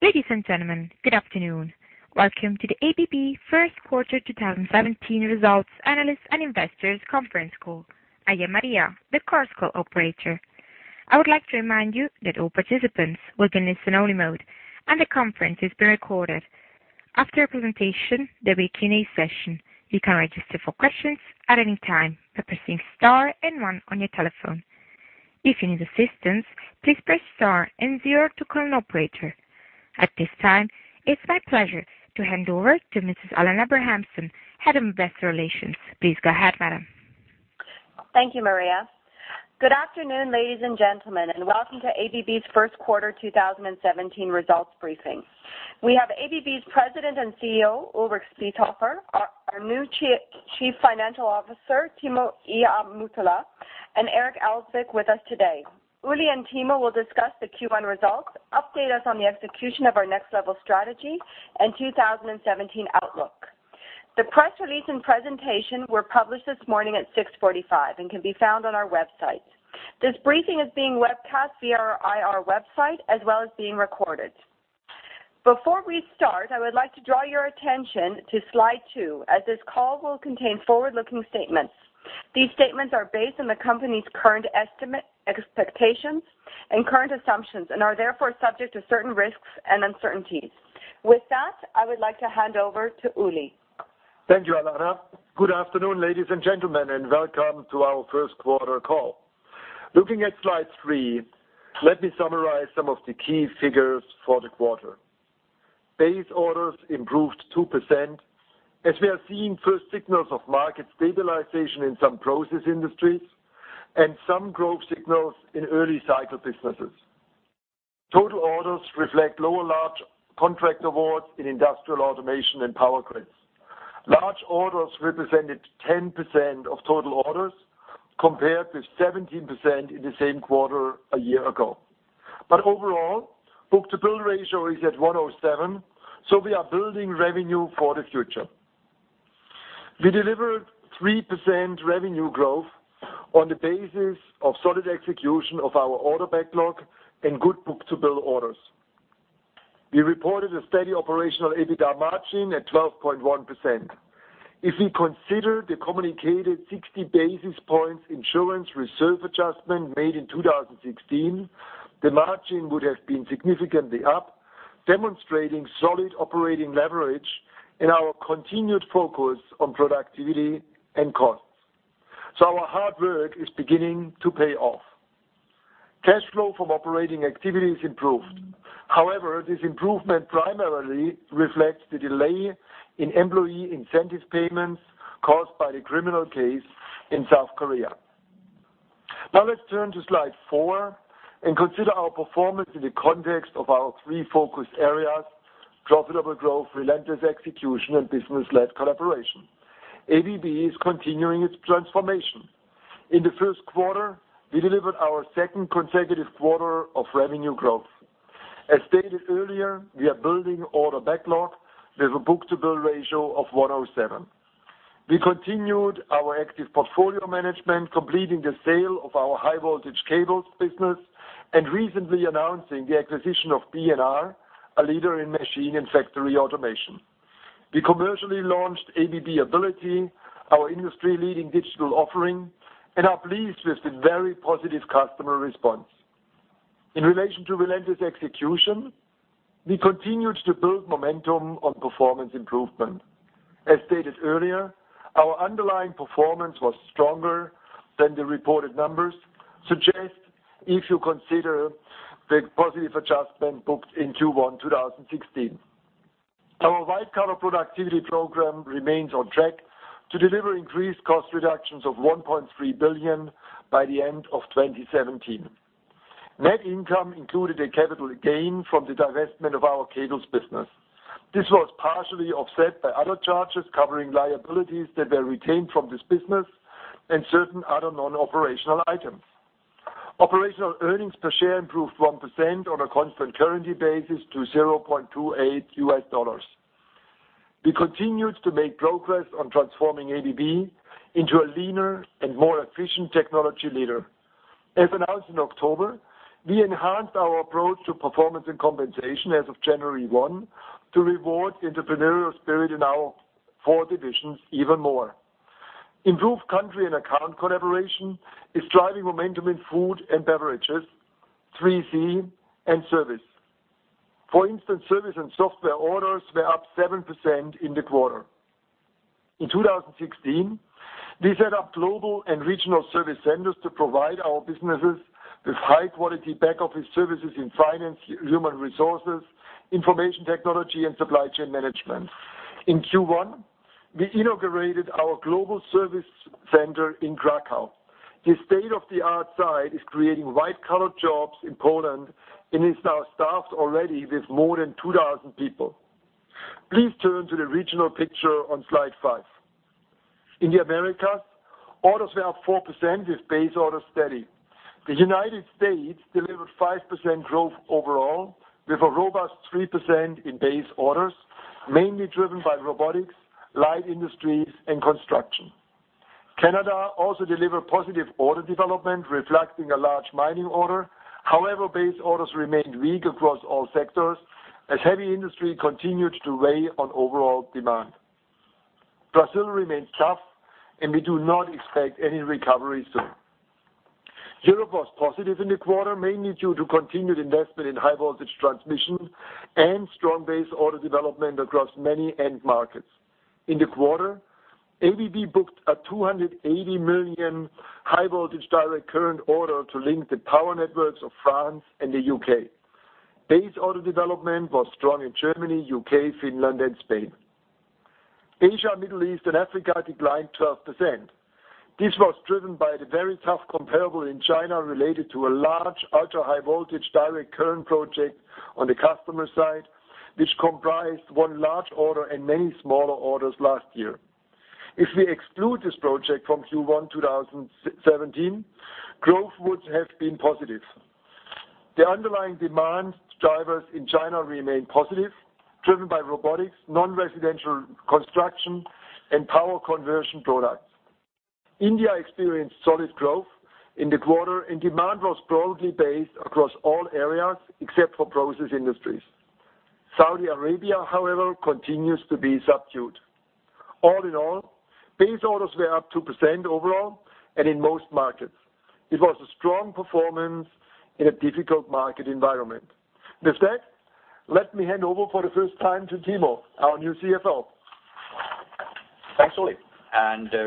Ladies and gentlemen, good afternoon. Welcome to the ABB first quarter 2017 results analysts and investors conference call. I am Maria, the Chorus Call operator. I would like to remind you that all participants will be in listen-only mode, and the conference is being recorded. After the presentation, there will be a Q&A session. You can register for questions at any time by pressing star and one on your telephone. If you need assistance, please press star and zero to call an operator. At this time, it's my pleasure to hand over to Mrs. Alanna Abrahamson, Head of Investor Relations. Please go ahead, madam. Thank you, Maria. Good afternoon, ladies and gentlemen, and welcome to ABB's first quarter 2017 results briefing. We have ABB's President and CEO, Ulrich Spiesshofer, our new Chief Financial Officer, Timo Ihamuotila, and Eric Elzvik with us today. Uli and Timo will discuss the Q1 results, update us on the execution of our Next Level strategy and 2017 outlook. The press release and presentation were published this morning at 6:45 A.M. and can be found on our website. This briefing is being webcast via our IR website as well as being recorded. Before we start, I would like to draw your attention to slide two, as this call will contain forward-looking statements. These statements are based on the company's current estimate, expectations and current assumptions, and are therefore subject to certain risks and uncertainties. With that, I would like to hand over to Uli. Thank you, Alanna. Good afternoon, ladies and gentlemen, and welcome to our first quarter call. Looking at slide three, let me summarize some of the key figures for the quarter. Base orders improved 2% as we are seeing first signals of market stabilization in some process industries and some growth signals in early cycle businesses. Total orders reflect lower large contract awards in Industrial Automation and Power Grids. Large orders represented 10% of total orders compared with 17% in the same quarter a year ago. Overall, book-to-bill ratio is at 107, we are building revenue for the future. We delivered 3% revenue growth on the basis of solid execution of our order backlog and good book-to-bill orders. We reported a steady operational EBITA margin at 12.1%. If we consider the communicated 60 basis points insurance reserve adjustment made in 2016, the margin would have been significantly up, demonstrating solid operating leverage in our continued focus on productivity and costs. Our hard work is beginning to pay off. Cash flow from operating activities improved. However, this improvement primarily reflects the delay in employee incentive payments caused by the criminal case in South Korea. Now let's turn to slide four and consider our performance in the context of our three focus areas: profitable growth, relentless execution and business-led collaboration. ABB is continuing its transformation. In the first quarter, we delivered our second consecutive quarter of revenue growth. As stated earlier, we are building order backlog with a book-to-bill ratio of 107. We continued our active portfolio management, completing the sale of our high-voltage cables business and recently announcing the acquisition of B&R, a leader in machine and factory automation. We commercially launched ABB Ability, our industry-leading digital offering and are pleased with the very positive customer response. In relation to relentless execution, we continued to build momentum on performance improvement. As stated earlier, our underlying performance was stronger than the reported numbers suggest if you consider the positive adjustment booked in Q1 2016. Our white-collar productivity program remains on track to deliver increased cost reductions of $1.3 billion by the end of 2017. Net income included a capital gain from the divestment of our cables business. This was partially offset by other charges covering liabilities that were retained from this business and certain other non-operational items. Operational earnings per share improved 1% on a constant currency basis to $0.28. We continued to make progress on transforming ABB into a leaner and more efficient technology leader. As announced in October, we enhanced our approach to performance and compensation as of January 1 to reward entrepreneurial spirit in our four divisions even more. Improved country and account collaboration is driving momentum in food and beverages, 3C and service. For instance, service and software orders were up 7% in the quarter. In 2016, we set up global and regional service centers to provide our businesses with high-quality back-office services in finance, human resources, information technology and supply chain management. In Q1, we inaugurated our global service center in Kraków. This state-of-the-art site is creating white-collar jobs in Poland and is now staffed already with more than 2,000 people. Please turn to the regional picture on slide five. In the Americas, orders were up 4% with base orders steady. The U.S. delivered 5% growth overall with a robust 3% in base orders, mainly driven by robotics, light industries and construction. Canada also delivered positive order development, reflecting a large mining order. However, base orders remained weak across all sectors as heavy industry continued to weigh on overall demand. Brazil remains tough, and we do not expect any recovery soon. Europe was positive in the quarter, mainly due to continued investment in high-voltage transmission and strong base order development across many end markets. In the quarter, ABB booked a $280 million high-voltage direct current order to link the power networks of France and the U.K. Base order development was strong in Germany, U.K., Finland, and Spain. Asia, Middle East, and Africa declined 12%. This was driven by the very tough comparable in China related to a large ultra-high voltage direct current project on the customer side, which comprised one large order and many smaller orders last year. If we exclude this project from Q1 2017, growth would have been positive. The underlying demand drivers in China remain positive, driven by robotics, non-residential construction, and power conversion products. India experienced solid growth in the quarter, and demand was broadly based across all areas except for process industries. Saudi Arabia, however, continues to be subdued. All in all, base orders were up 2% overall and in most markets. It was a strong performance in a difficult market environment. With that, let me hand over for the first time to Timo, our new CFO. Thanks, Ulrich,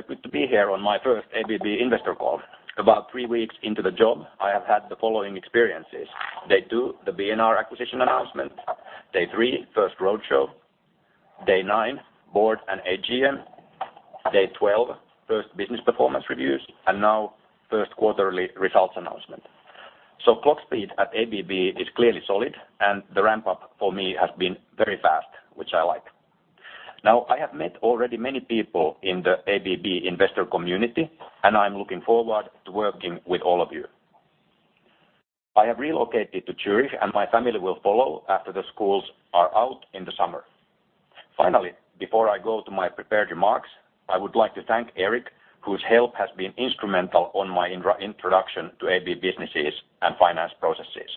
good to be here on my first ABB investor call. About three weeks into the job, I have had the following experiences. Day two, the B&R acquisition announcement. Day three, first roadshow. Day nine, board and AGM. Day 12, first business performance reviews. Now, first quarterly results announcement. Clock speed at ABB is clearly solid, the ramp-up for me has been very fast, which I like. I have met already many people in the ABB investor community, I'm looking forward to working with all of you. I have relocated to Zurich, my family will follow after the schools are out in the summer. Finally, before I go to my prepared remarks, I would like to thank Eric, whose help has been instrumental on my introduction to ABB businesses and finance processes.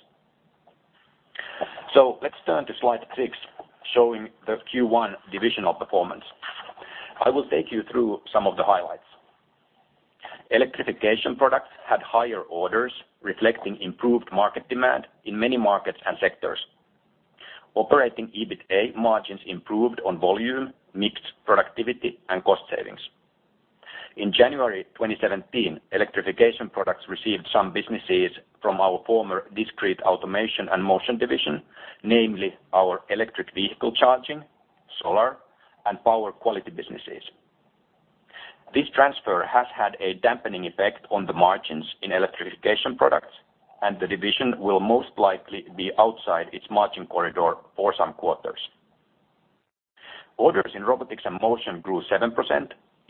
Let's turn to slide six, showing the Q1 divisional performance. I will take you through some of the highlights. Electrification Products had higher orders, reflecting improved market demand in many markets and sectors. Operating EBITA margins improved on volume, mix, productivity, and cost savings. In January 2017, Electrification Products received some businesses from our former Discrete Automation and Motion division, namely our electric vehicle charging, solar, and power quality businesses. This transfer has had a dampening effect on the margins in Electrification Products, the division will most likely be outside its margin corridor for some quarters. Orders in Robotics and Motion grew 7%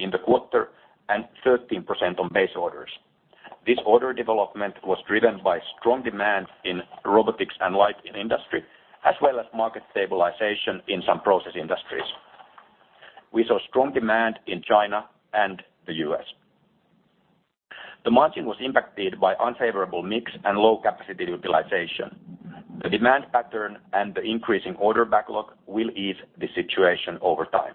in the quarter and 13% on base orders. This order development was driven by strong demand in robotics and light industry, as well as market stabilization in some process industries. We saw strong demand in China and the U.S. The margin was impacted by unfavorable mix and low capacity utilization. The demand pattern and the increasing order backlog will ease the situation over time.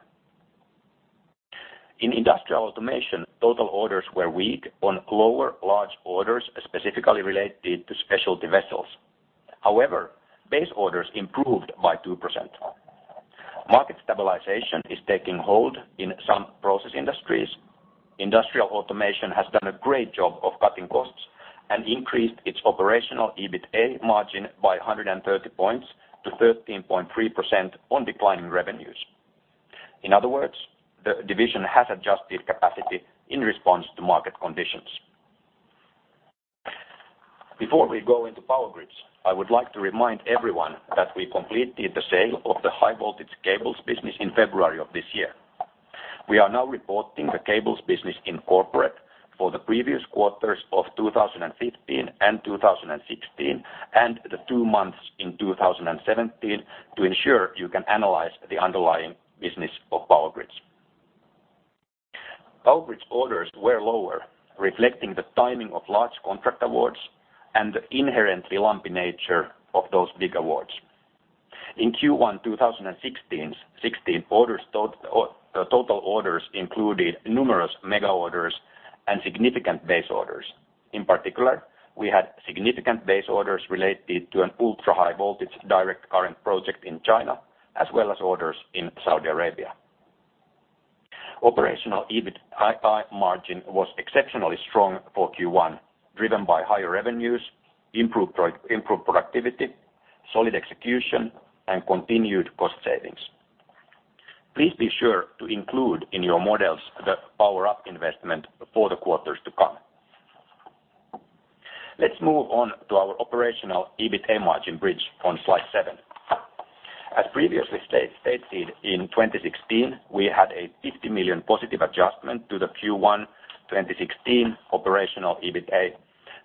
In Industrial Automation, total orders were weak on lower large orders, specifically related to specialty vessels. However, base orders improved by 2%. Market stabilization is taking hold in some process industries. Industrial Automation has done a great job of cutting costs and increased its operational EBITA margin by 130 points to 13.3% on declining revenues. In other words, the division has adjusted capacity in response to market conditions. Before we go into Power Grids, I would like to remind everyone that we completed the sale of the high-voltage cables business in February of this year. We are now reporting the cables business in corporate for the previous quarters of 2015 and 2016 and the two months in 2017 to ensure you can analyze the underlying business of Power Grids. Power Grids orders were lower, reflecting the timing of large contract awards and the inherently lumpy nature of those big awards. In Q1 2016, total orders included numerous mega orders and significant base orders. In particular, we had significant base orders related to an ultra-high voltage direct current project in China, as well as orders in Saudi Arabia. Operational EBITA margin was exceptionally strong for Q1, driven by higher revenues, improved productivity, solid execution, and continued cost savings. Please be sure to include in your models the Power Up investment for the quarters to come. Let's move on to our operational EBITA margin bridge on slide seven. As previously stated, in 2016, we had a $50 million positive adjustment to the Q1 2016 operational EBITA,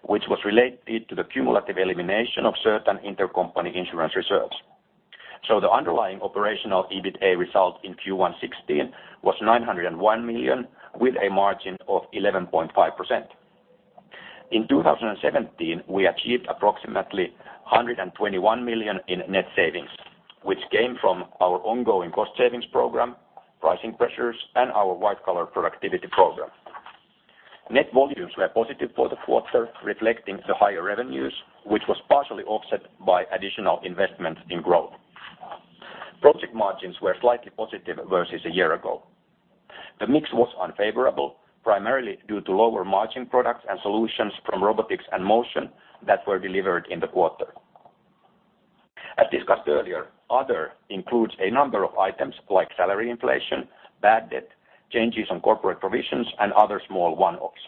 which was related to the cumulative elimination of certain intercompany insurance reserves. The underlying operational EBITA result in Q1 2016 was $901 million, with a margin of 11.5%. In 2017, we achieved approximately $121 million in net savings, which came from our ongoing cost savings program, pricing pressures, and our white-collar productivity program. Net volumes were positive for the quarter, reflecting the higher revenues, which was partially offset by additional investment in growth. Project margins were slightly positive versus a year ago. The mix was unfavorable, primarily due to lower margin products and solutions from Robotics and Motion that were delivered in the quarter. As discussed earlier, other includes a number of items like salary inflation, bad debt, changes on corporate provisions, and other small one-offs.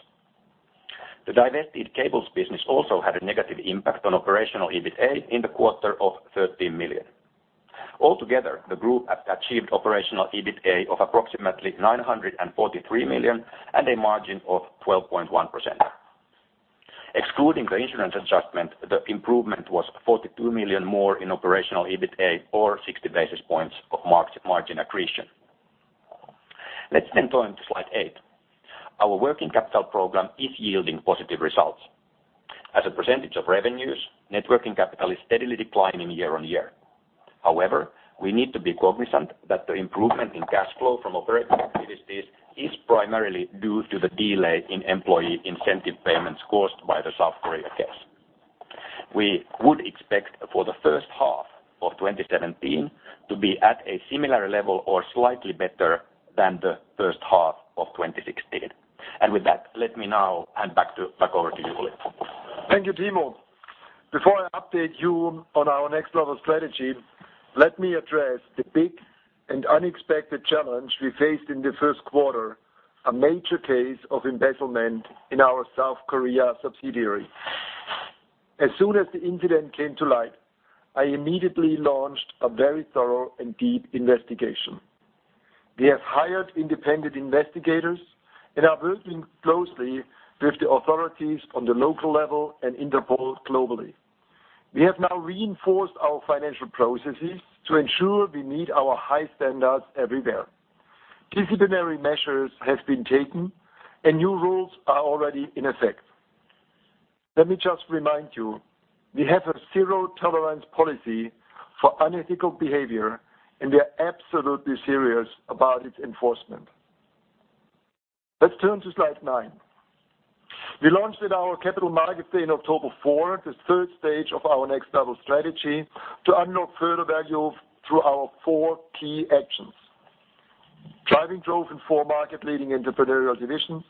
The divested cables business also had a negative impact on operational EBITA in the quarter of $13 million. Altogether, the group achieved operational EBITA of approximately $943 million and a margin of 12.1%. Excluding the insurance adjustment, the improvement was $42 million more in operational EBITA or 60 basis points of margin accretion. Let's turn to slide eight. Our working capital program is yielding positive results. As a percentage of revenues, networking capital is steadily declining year-on-year. However, we need to be cognizant that the improvement in cash flow from operating activities is primarily due to the delay in employee incentive payments caused by the South Korea case. We would expect for the first half of 2017 to be at a similar level or slightly better than the first half of 2016. With that, let me now hand back over to you, Ulrich. Thank you, Timo. Before I update you on our Next Level strategy, let me address the big and unexpected challenge we faced in the first quarter, a major case of embezzlement in our South Korea subsidiary. As soon as the incident came to light, I immediately launched a very thorough and deep investigation. We have hired independent investigators and are working closely with the authorities on the local level and Interpol globally. We have now reinforced our financial processes to ensure we meet our high standards everywhere. Disciplinary measures have been taken and new rules are already in effect. Let me just remind you, we have a zero-tolerance policy for unethical behavior, and we are absolutely serious about its enforcement. Let's turn to slide nine. We launched at our Capital Markets Day in October 4, the third stage of our Next Level strategy to unlock further value through our four key actions. Driving growth in four market-leading entrepreneurial divisions,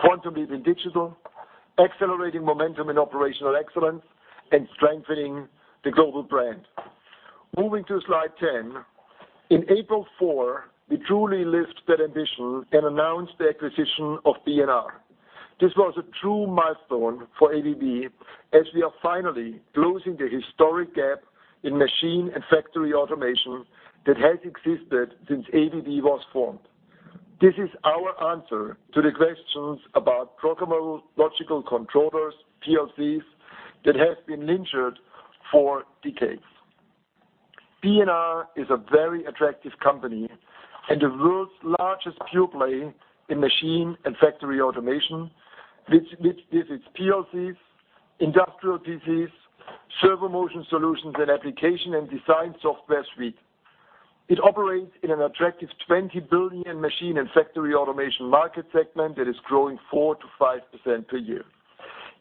quantum leap in digital, accelerating momentum in operational excellence, and strengthening the global brand. Moving to slide 10. In April 4, we truly lived that ambition and announced the acquisition of B&R. This was a true milestone for ABB as we are finally closing the historic gap in machine and factory automation that has existed since ABB was formed. This is our answer to the questions about programmable logic controllers, PLCs, that have been lingered for decades. B&R is a very attractive company and the world's largest pure-play in machine and factory automation with its PLCs, industrial PCs, servo motion solutions, and application and design software suite. It operates in an attractive $20 billion machine and factory automation market segment that is growing 4%-5% per year.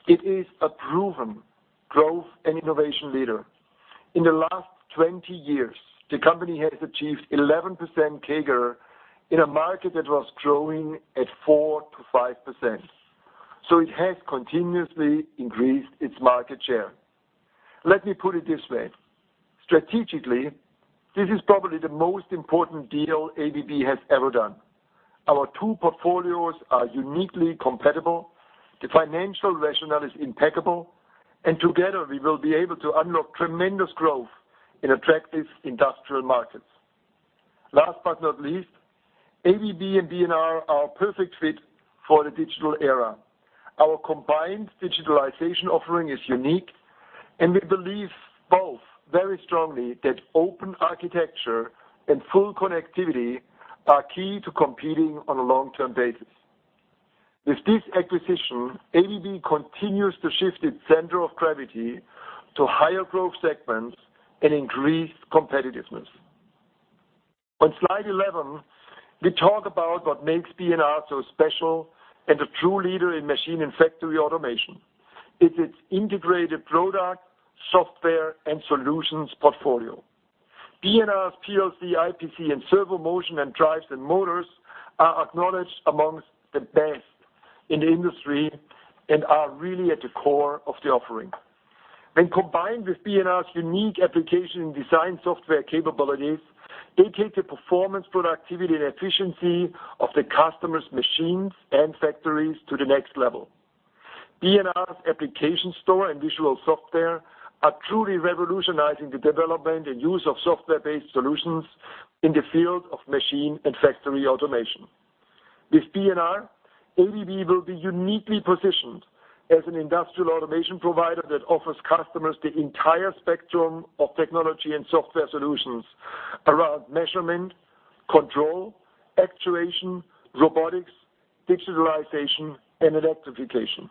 It is a proven growth and innovation leader. In the last 20 years, the company has achieved 11% CAGR in a market that was growing at 4%-5%. It has continuously increased its market share. Let me put it this way. Strategically, this is probably the most important deal ABB has ever done. Our two portfolios are uniquely compatible, the financial rationale is impeccable, and together we will be able to unlock tremendous growth in attractive industrial markets. Last but not least, ABB and B&R are a perfect fit for the digital era. Our combined digitalization offering is unique, and we believe both very strongly that open architecture and full connectivity are key to competing on a long-term basis. With this acquisition, ABB continues to shift its center of gravity to higher growth segments and increased competitiveness. On slide 11, we talk about what makes B&R so special and a true leader in machine and factory automation. It's its integrated product, software, and solutions portfolio. B&R's PLC, IPC, and servo motion and drives and motors are acknowledged amongst the best in the industry and are really at the core of the offering. When combined with B&R's unique application design software capabilities, they take the performance, productivity, and efficiency of the customer's machines and factories to the Next Level. B&R's application store and visual software are truly revolutionizing the development and use of software-based solutions in the field of machine and factory automation. With B&R, ABB will be uniquely positioned as an industrial automation provider that offers customers the entire spectrum of technology and software solutions around measurement, control, actuation, robotics, digitalization, and electrification.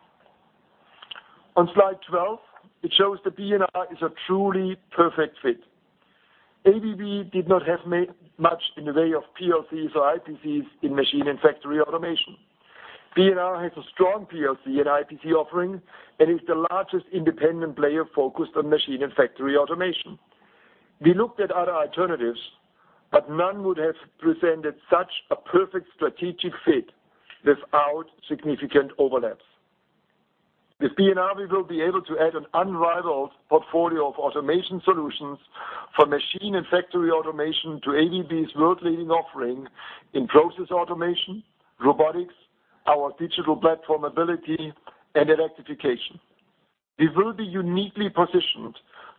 On slide 12, it shows that B&R is a truly perfect fit. ABB did not have much in the way of PLCs or IPCs in machine and factory automation. B&R has a strong PLC and IPC offering and is the largest independent player focused on machine and factory automation. We looked at other alternatives, but none would have presented such a perfect strategic fit without significant overlaps. With B&R, we will be able to add an unrivaled portfolio of automation solutions for machine and factory automation to ABB's world-leading offering in process automation, robotics, our digital platform ABB Ability, and electrification. We will be uniquely positioned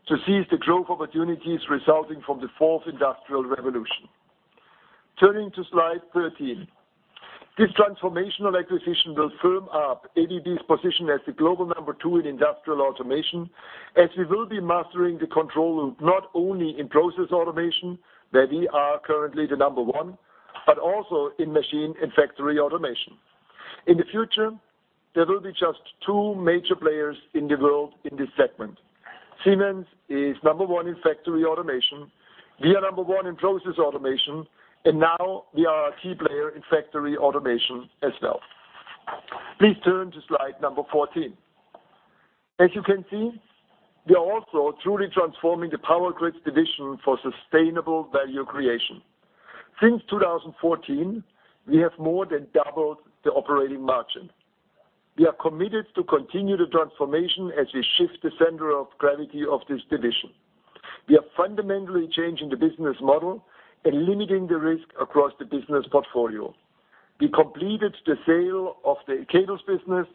to seize the growth opportunities resulting from the fourth industrial revolution. Turning to slide 13. This transformational acquisition will firm up ABB's position as the global number two in industrial automation, as we will be mastering the control loop not only in process automation, where we are currently the number one, but also in machine and factory automation. In the future, there will be just two major players in the world in this segment. Siemens is number one in factory automation, we are number one in process automation, and now we are a key player in factory automation as well. Please turn to slide 14. As you can see, we are also truly transforming the Power Grids division for sustainable value creation. Since 2014, we have more than doubled the operating margin. We are committed to continue the transformation as we shift the center of gravity of this division. We are fundamentally changing the business model and limiting the risk across the business portfolio. We completed the sale of the cables business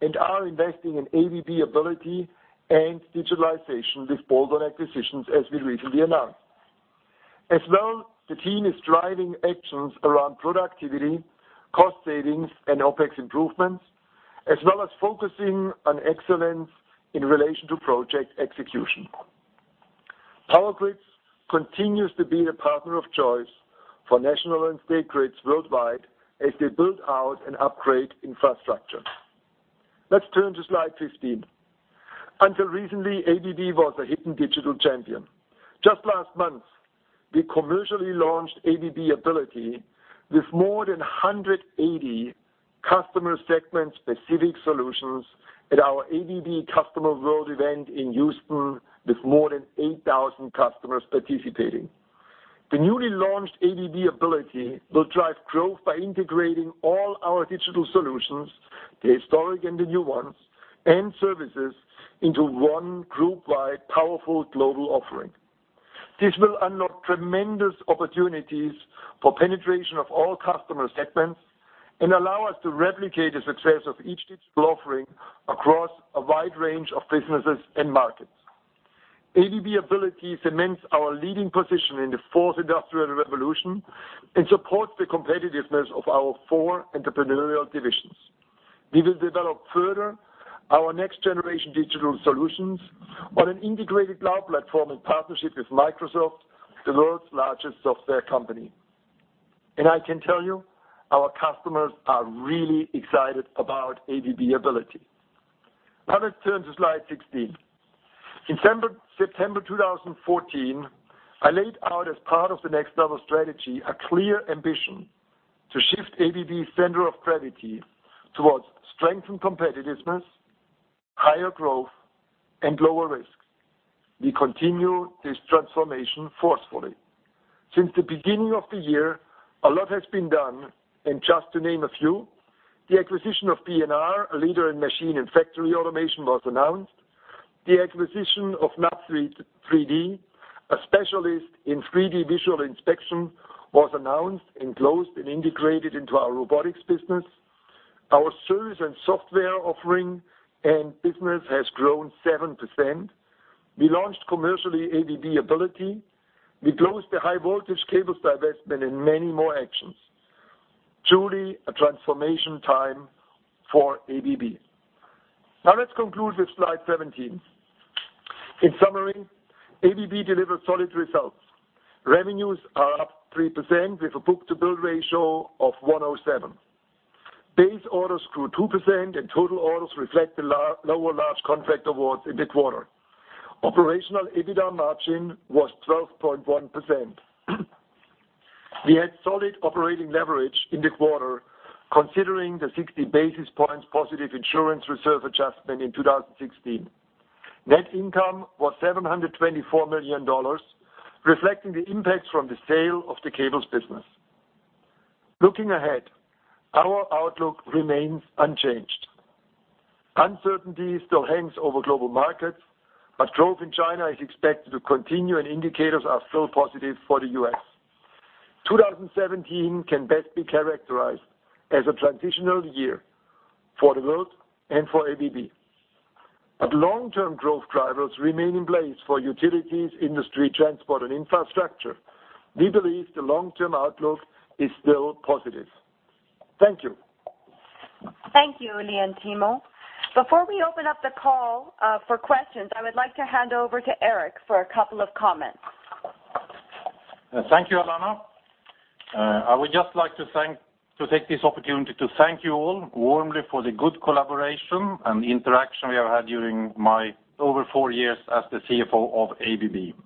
and are investing in ABB Ability and digitalization with bolt-on acquisitions, as we recently announced. As well, the team is driving actions around productivity, cost savings, and OpEx improvements, as well as focusing on excellence in relation to project execution. Power Grids continues to be the partner of choice for national and state grids worldwide as they build out and upgrade infrastructure. Let's turn to slide 15. Until recently, ABB was a hidden digital champion. Just last month, we commercially launched ABB Ability with more than 180 customer segment-specific solutions at our ABB Customer World event in Houston, with more than 8,000 customers participating. The newly launched ABB Ability will drive growth by integrating all our digital solutions, the historic and the new ones, and services into one group-wide powerful global offering. This will unlock tremendous opportunities for penetration of all customer segments and allow us to replicate the success of each digital offering across a wide range of businesses and markets. ABB Ability cements our leading position in the fourth industrial revolution and supports the competitiveness of our four entrepreneurial divisions. We will develop further our next-generation digital solutions on an integrated cloud platform in partnership with Microsoft, the world's largest software company. I can tell you, our customers are really excited about ABB Ability. Let's turn to slide 16. In September 2014, I laid out as part of the Next Level strategy, a clear ambition to shift ABB's center of gravity towards strengthened competitiveness, higher growth, and lower risk. We continue this transformation forcefully. Since the beginning of the year, a lot has been done, just to name a few, the acquisition of B&R, a leader in machine and factory automation, was announced. The acquisition of NUB3D, a specialist in 3D visual inspection, was announced and closed and integrated into our robotics business. Our service and software offering and business has grown 7%. We launched commercially ABB Ability. We closed the high voltage cables divestment and many more actions. Truly a transformation time for ABB. Let's conclude with slide 17. In summary, ABB delivered solid results. Revenues are up 3% with a book-to-bill ratio of 107. Base orders grew 2%, and total orders reflect the lower large contract awards in the quarter. Operational EBITDA margin was 12.1%. We had solid operating leverage in the quarter considering the 60 basis points positive insurance reserve adjustment in 2016. Net income was $724 million, reflecting the impacts from the sale of the cables business. Looking ahead, our outlook remains unchanged. Uncertainty still hangs over global markets, growth in China is expected to continue and indicators are still positive for the U.S. 2017 can best be characterized as a transitional year for the world and for ABB. Long-term growth drivers remain in place for utilities, industry, transport, and infrastructure. We believe the long-term outlook is still positive. Thank you. Thank you, Ulrich and Timo. Before we open up the call for questions, I would like to hand over to Eric for a couple of comments. Thank you, Alanna. I would just like to take this opportunity to thank you all warmly for the good collaboration and interaction we have had during my over four years as the CFO of ABB.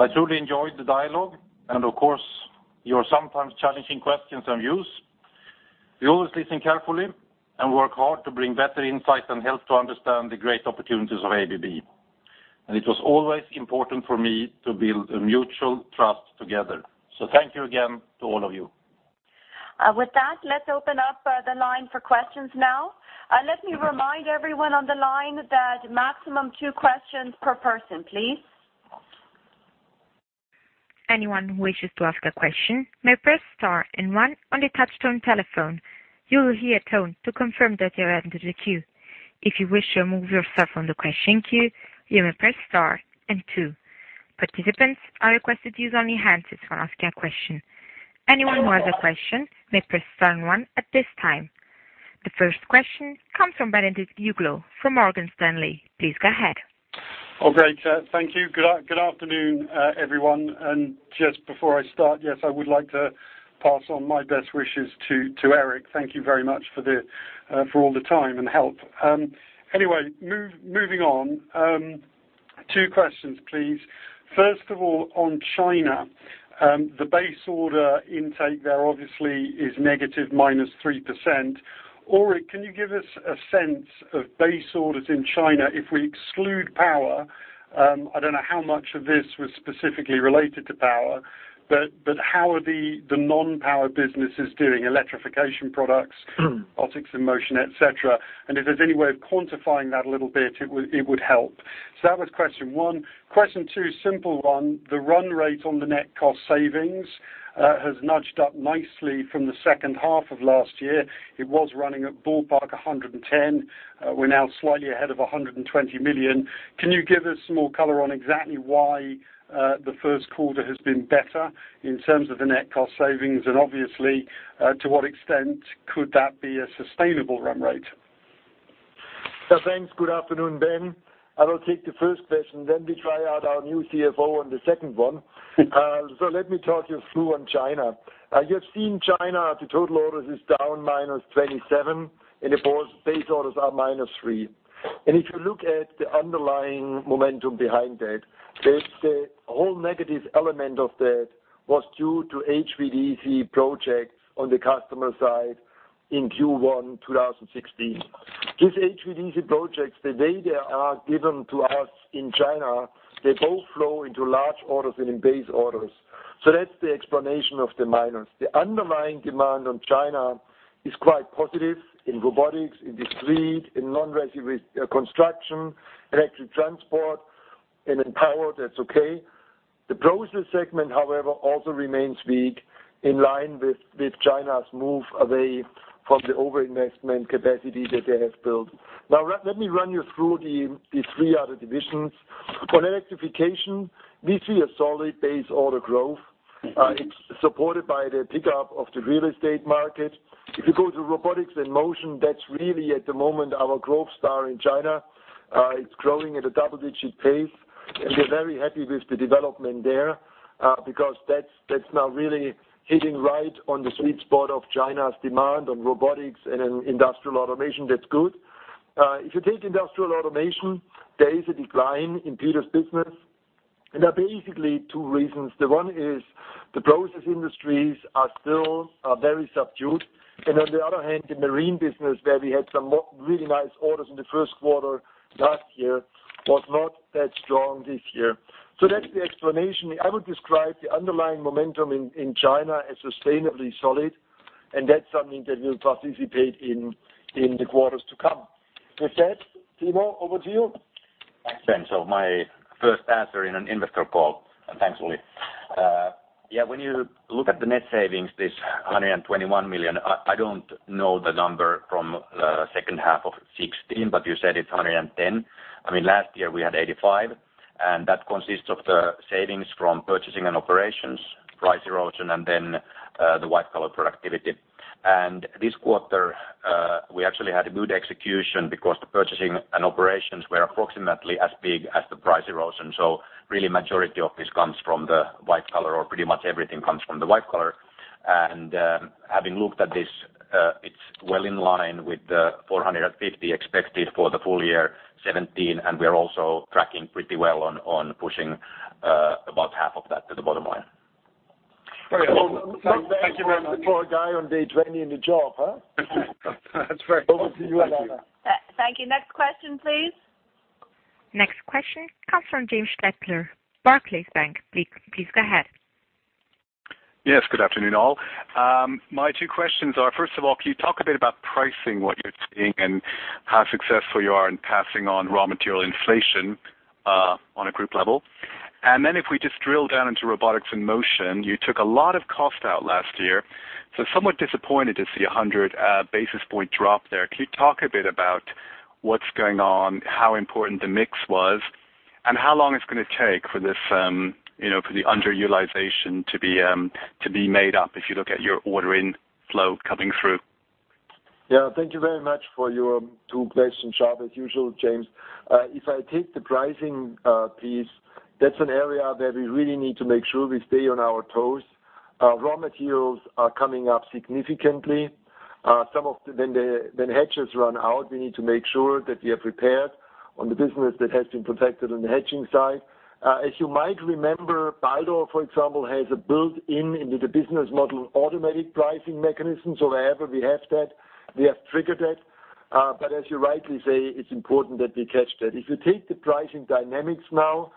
I truly enjoyed the dialogue and, of course, your sometimes challenging questions and views. We always listen carefully and work hard to bring better insight and help to understand the great opportunities of ABB. It was always important for me to build a mutual trust together. Thank you again to all of you. With that, let's open up the line for questions now. Let me remind everyone on the line that maximum two questions per person, please. Anyone who wishes to ask a question may press star and one on the touchtone telephone. You will hear a tone to confirm that you have entered the queue. If you wish to remove yourself from the question queue, you may press star and two. Participants are requested to use only headsets when asking a question. Anyone who has a question may press star and one at this time. The first question comes from Ben Uglow from Morgan Stanley. Please go ahead. Oh, great. Thank you. Good afternoon, everyone. Just before I start, yes, I would like to pass on my best wishes to Eric. Thank you very much for all the time and help. Anyway, moving on. Two questions, please. First of all, on China, the base order intake there obviously is negative -3%. Ulrich, can you give us a sense of base orders in China if we exclude power? I don't know how much of this was specifically related to power, but how are the non-power businesses doing? Electrification Products, Robotics and Motion, et cetera. If there's any way of quantifying that a little bit, it would help. That was question one. Question two, simple one. The run rate on the net cost savings has nudged up nicely from the second half of last year. It was running at ballpark $110 million. We're now slightly ahead of $120 million. Can you give us some more color on exactly why the Q1 has been better in terms of the net cost savings? Obviously, to what extent could that be a sustainable run rate? Thanks. Good afternoon, Ben. I will take the first question, then we try out our new CFO on the second one. Let me talk you through on China. You have seen China, the total orders is down -27%, and the base orders are -3%. If you look at the underlying momentum behind that, the whole negative element of that was due to HVDC projects on the customer side in Q1 2016. These HVDC projects, the way they are given to us in China, they both flow into large orders and in base orders. That's the explanation of the minus. The underlying demand on China is quite positive in Robotics, in discrete, in non-residential construction, electric transport, and in power, that's okay. The process segment, however, also remains weak in line with China's move away from the over-investment capacity that they have built. Now, let me run you through the 3 other divisions. On Electrification Products, we see a solid base order growth. It's supported by the pickup of the real estate market. If you go to Robotics and Motion, that's really at the moment our growth star in China. It's growing at a double-digit pace, we're very happy with the development there, because that's now really hitting right on the sweet spot of China's demand on Robotics and Industrial Automation. That's good. If you take Industrial Automation, there is a decline in Peter's business, and there are basically 2 reasons. One is the process industries are still very subdued. On the other hand, the marine business, where we had some really nice orders in the Q1 last year, was not that strong this year. That's the explanation. I would describe the underlying momentum in China as sustainably solid, and that's something that will participate in the quarters to come. With that, Timo, over to you. Thanks, Ben. My first answer in an investor call, thankfully. When you look at the net savings, this $121 million, I don't know the number from the second half of 2016, but you said it's $110. I mean, last year we had $85, and that consists of the savings from purchasing and operations, price erosion, and then the white collar productivity. This quarter, we actually had a good execution because the purchasing and operations were approximately as big as the price erosion. Really majority of this comes from the white collar, or pretty much everything comes from the white collar. Having looked at this, it's well in line with the $450 expected for the full year 2017, and we're also tracking pretty well on pushing about half of that to the bottom line. Thank you, for a guy on day 20 in the job, huh? That's very kind. Over to you, Alanna. Thank you. Next question, please. Next question comes from James Stettler, Barclays Bank. Please go ahead. Yes, good afternoon all. My two questions are, first of all, can you talk a bit about pricing, what you're seeing and how successful you are in passing on raw material inflation? On a group level. If we just drill down into Robotics and Motion, you took a lot of cost out last year, so somewhat disappointed to see 100 basis point drop there. Can you talk a bit about what's going on, how important the mix was, and how long it's going to take for the underutilization to be made up if you look at your order inflow coming through? Yeah, thank you very much for your two questions, sharp as usual, James. If I take the pricing piece, that's an area that we really need to make sure we stay on our toes. Raw materials are coming up significantly. Some of when the hedges run out, we need to make sure that we are prepared on the business that has been protected on the hedging side. As you might remember, Baldor, for example, has a built-in into the business model, automatic pricing mechanism. Wherever we have that, we have triggered that. As you rightly say, it's important that we catch that. If you take the pricing dynamics now,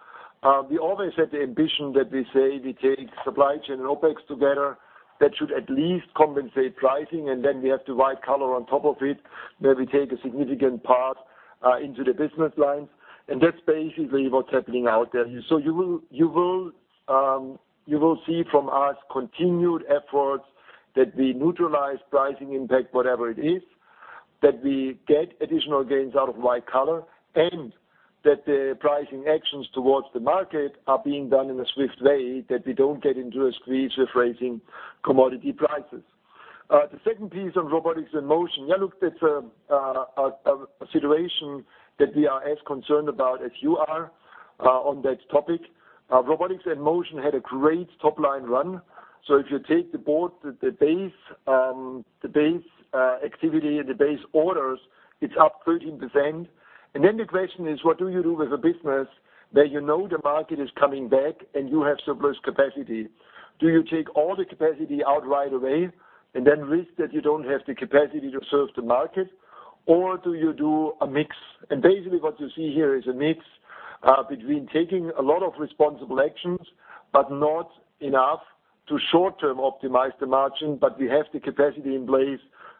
we always have the ambition that we say we take supply chain and OpEx together, that should at least compensate pricing, and then we have the white collar on top of it, where we take a significant part, into the business lines. That's basically what's happening out there. You will see from us continued efforts that we neutralize pricing impact, whatever it is, that we get additional gains out of white collar, and that the pricing actions towards the market are being done in a swift way, that we don't get into a squeeze with raising commodity prices. The second piece on Robotics and Motion. Yeah, look, that's a situation that we are as concerned about as you are on that topic. Robotics and Motion had a great top-line run. If you take the base activity and the base orders, it's up 13%. Then the question is, what do you do with a business that you know the market is coming back and you have surplus capacity? Do you take all the capacity out right away and then risk that you don't have the capacity to serve the market? Or do you do a mix? Basically, what you see here is a mix between taking a lot of responsible actions, but not enough to short-term optimize the margin, but we have the capacity in place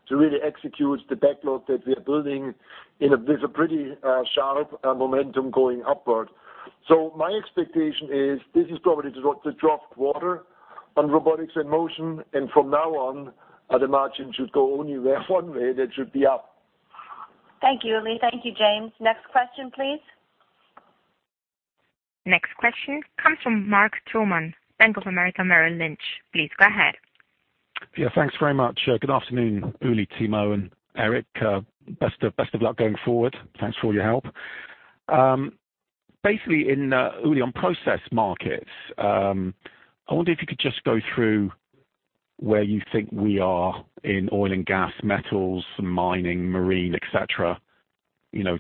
to really execute the backlog that we are building in a pretty sharp momentum going upward. My expectation is this is probably the draft water on Robotics and Motion, and from now on, the margin should go only one way. That should be up. Thank you, Uli. Thank you, James. Next question, please. Next question comes from Mark Troman, Bank of America Merrill Lynch. Please go ahead. Yeah, thanks very much. Good afternoon, Uli, Timo, and Eric. Best of luck going forward. Thanks for all your help. Basically, Uli, on process markets, I wonder if you could just go through where you think we are in oil and gas, metals, mining, marine, et cetera,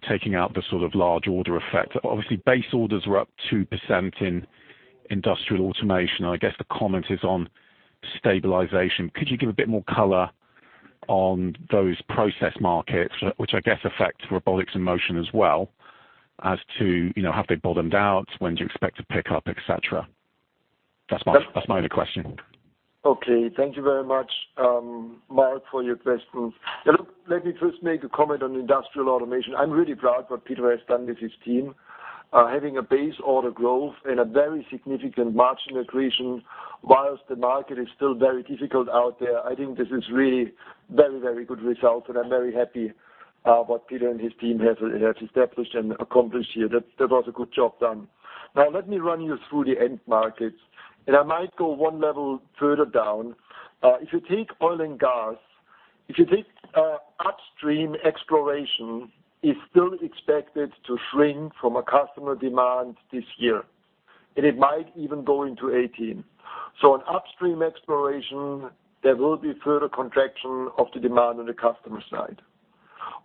taking out the sort of large order effect. Obviously, base orders were up 2% in Industrial Automation. I guess the comment is on stabilization. Could you give a bit more color on those process markets, which I guess affects Robotics and Motion as well as to, have they bottomed out? When do you expect to pick up, et cetera? That's my only question. Okay. Thank you very much, Mark, for your question. Yeah, look, let me first make a comment on Industrial Automation. I'm really proud what Peter has done with his team. Having a base order growth and a very significant margin accretion whilst the market is still very difficult out there. I think this is really very, very good result, and I'm very happy, what Peter and his team have established and accomplished here. That was a good job done. Let me run you through the end markets, and I might go 1 level further down. If you take oil and gas, if you take upstream exploration is still expected to shrink from a customer demand this year, and it might even go into 2018. On upstream exploration, there will be further contraction of the demand on the customer side.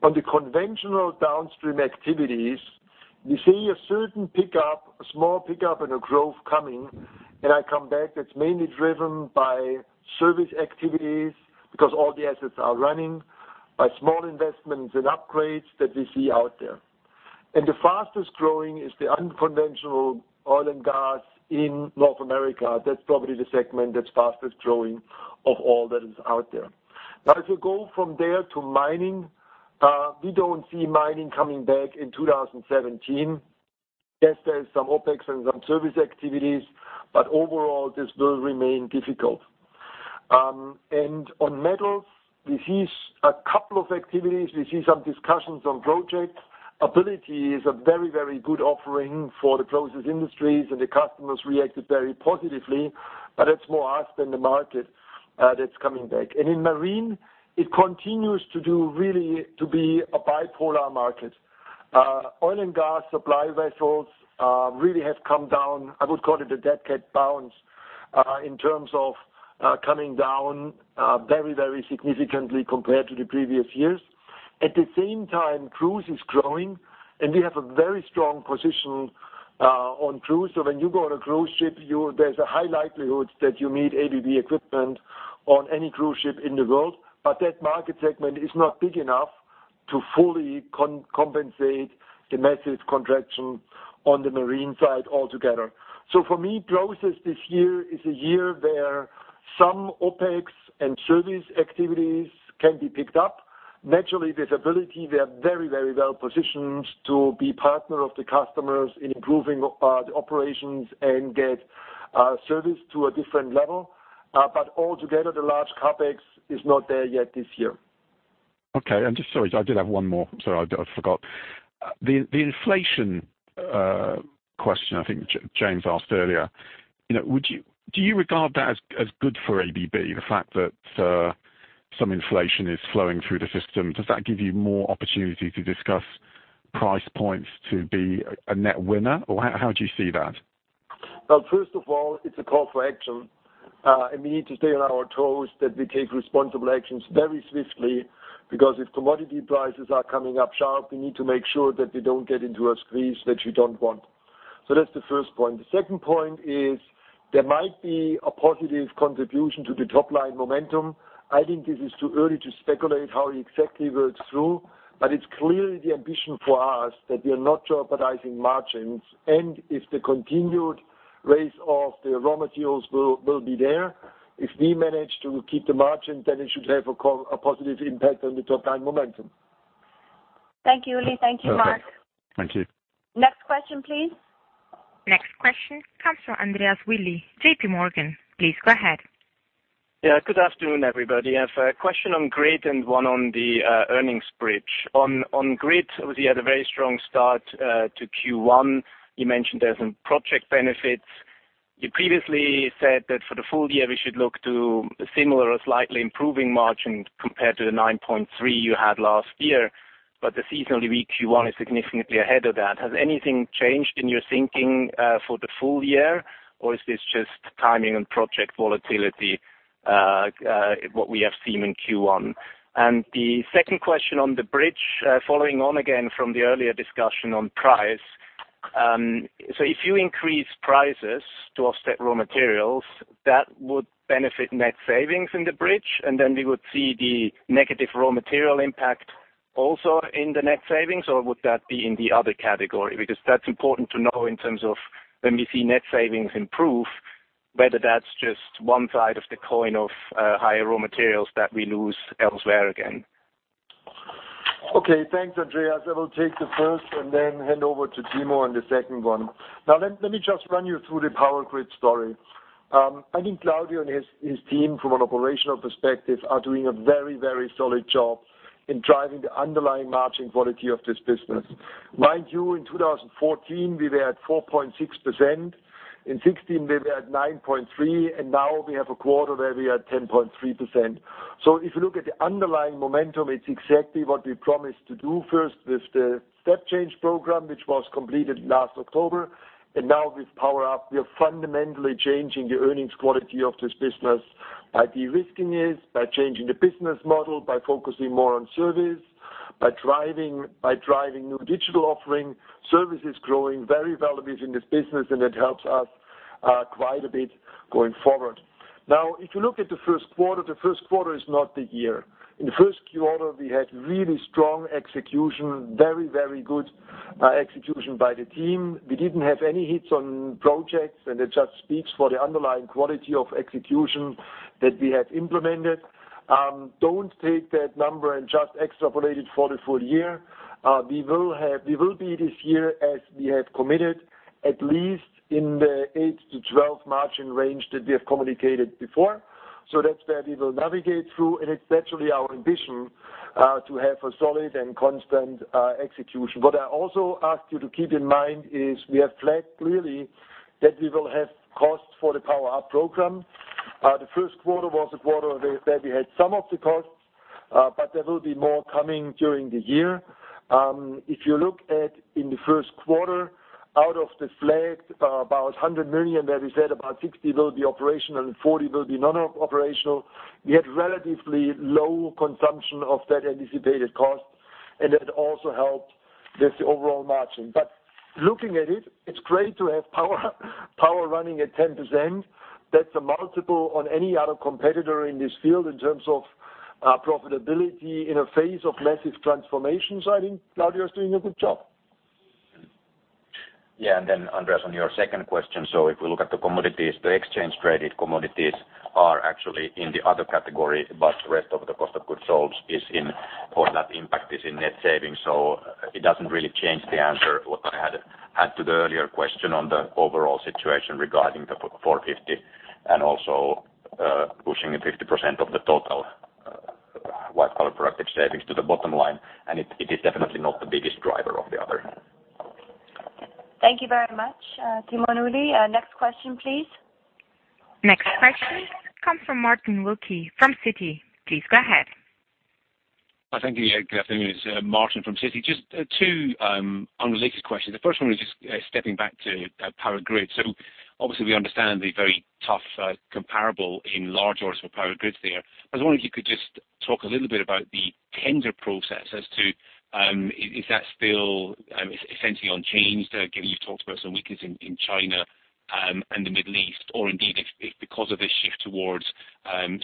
On the conventional downstream activities, we see a certain pickup, a small pickup and a growth coming, and I come back, that's mainly driven by service activities because all the assets are running by small investments and upgrades that we see out there. The fastest-growing is the unconventional oil and gas in North America. That's probably the segment that's fastest-growing of all that is out there. If you go from there to mining, we don't see mining coming back in 2017. Yes, there's some OpEx and some service activities, but overall, this will remain difficult. On metals, we see a couple of activities. We see some discussions on projects. Ability is a very, very good offering for the process industries, and the customers reacted very positively, but it's more us than the market that's coming back. In marine, it continues to be a bipolar market. Oil and gas supply vessels really have come down. I would call it a dead cat bounce in terms of coming down very, very significantly compared to the previous years. At the same time, cruise is growing, and we have a very strong position on cruise. When you go on a cruise ship, there's a high likelihood that you meet ABB equipment on any cruise ship in the world. That market segment is not big enough to fully compensate the massive contraction on the marine side altogether. For me, process this year is a year where some OpEx and service activities can be picked up. Naturally, ABB Ability, we are very well positioned to be partner of the customers in improving the operations and get service to a different level. Altogether, the large CapEx is not there yet this year. Okay. Just sorry, I did have one more, so I forgot. The inflation question I think James asked earlier. Do you regard that as good for ABB, the fact that some inflation is flowing through the system? Does that give you more opportunity to discuss price points to be a net winner, or how do you see that? Well, first of all, it's a call for action. We need to stay on our toes that we take responsible actions very swiftly, because if commodity prices are coming up sharp, we need to make sure that they don't get into a squeeze that you don't want. That's the first point. The second point is there might be a positive contribution to the top-line momentum. I think this is too early to speculate how exactly it works through, but it's clearly the ambition for us that we are not jeopardizing margins. If the continued raise of the raw materials will be there, if we manage to keep the margin, then it should have a positive impact on the top-line momentum. Thank you, Uli. Thank you, Mark. Thank you. Next question, please. Next question comes from Andreas Willi, JP Morgan. Please go ahead. Yeah. Good afternoon, everybody. I have a question on Grid and one on the earnings bridge. On Grid, obviously you had a very strong start to Q1. You mentioned there are some project benefits. You previously said that for the full year, we should look to a similar or slightly improving margin compared to the 9.3% you had last year, but the seasonally weak Q1 is significantly ahead of that. Has anything changed in your thinking for the full year, or is this just timing and project volatility, what we have seen in Q1? The second question on the bridge, following on again from the earlier discussion on price. If you increase prices to offset raw materials, that would benefit net savings in the bridge, and then we would see the negative raw material impact also in the net savings, or would that be in the other category? Because that's important to know in terms of when we see net savings improve, whether that's just one side of the coin of higher raw materials that we lose elsewhere again. Okay. Thanks, Andreas. I will take the first and then hand over to Timo on the second one. Now, let me just run you through the Power Grids story. I think Claudio and his team from an operational perspective, are doing a very solid job in driving the underlying margin quality of this business. Mind you, in 2014, we were at 4.6%. In 2016, we were at 9.3%, and now we have a quarter where we are 10.3%. If you look at the underlying momentum, it's exactly what we promised to do. First with the step change program, which was completed last October. With Power Up, we are fundamentally changing the earnings quality of this business by de-risking it, by changing the business model, by focusing more on service, by driving new digital offering. Service is growing very well within this business, and it helps us quite a bit going forward. Now, if you look at the first quarter, the first quarter is not the year. In the first Q1, we had really strong execution, very good execution by the team. We didn't have any hits on projects, and it just speaks for the underlying quality of execution that we have implemented. Don't take that number and just extrapolate it for the full year. We will be this year as we have committed, at least in the eight to 12 margin range that we have communicated before. That's where we will navigate through, and it's actually our ambition to have a solid and constant execution. What I also ask you to keep in mind is we have flagged clearly that we will have costs for the Power Up program. The first quarter was a quarter where we had some of the costs, there will be more coming during the year. If you look at in the first quarter, out of the flagged, about $100 million that we said, about $60 million will be operational and $40 million will be non-operational. We had relatively low consumption of that anticipated cost, and that also helped with the overall margin. Looking at it's great to have Power running at 10%. That's a multiple on any other competitor in this field in terms of profitability in a phase of massive transformation. I think Claudio is doing a good job. Yeah. Then Andreas, on your second question. If we look at the commodities, the exchange traded commodities are actually in the other category, but rest of the cost of goods sold or that impact is in net savings. It doesn't really change the answer what I had to the earlier question on the overall situation regarding the 450 and also pushing 50% of the total white-collar productive savings to the bottom line. It is definitely not the biggest driver of the other. Thank you very much, Timo and Uli. Next question, please. Next question comes from Martin Wilkie from Citi. Please go ahead. Thank you. Good afternoon. It's Martin from Citi. Two unrelated questions. The first one is stepping back to Power Grids. Obviously we understand the very tough comparable in large orders for Power Grids there. I was wondering if you could just talk a little bit about the tender process as to is that still essentially unchanged, given you've talked about some weakness in China, the Middle East, or indeed, if because of this shift towards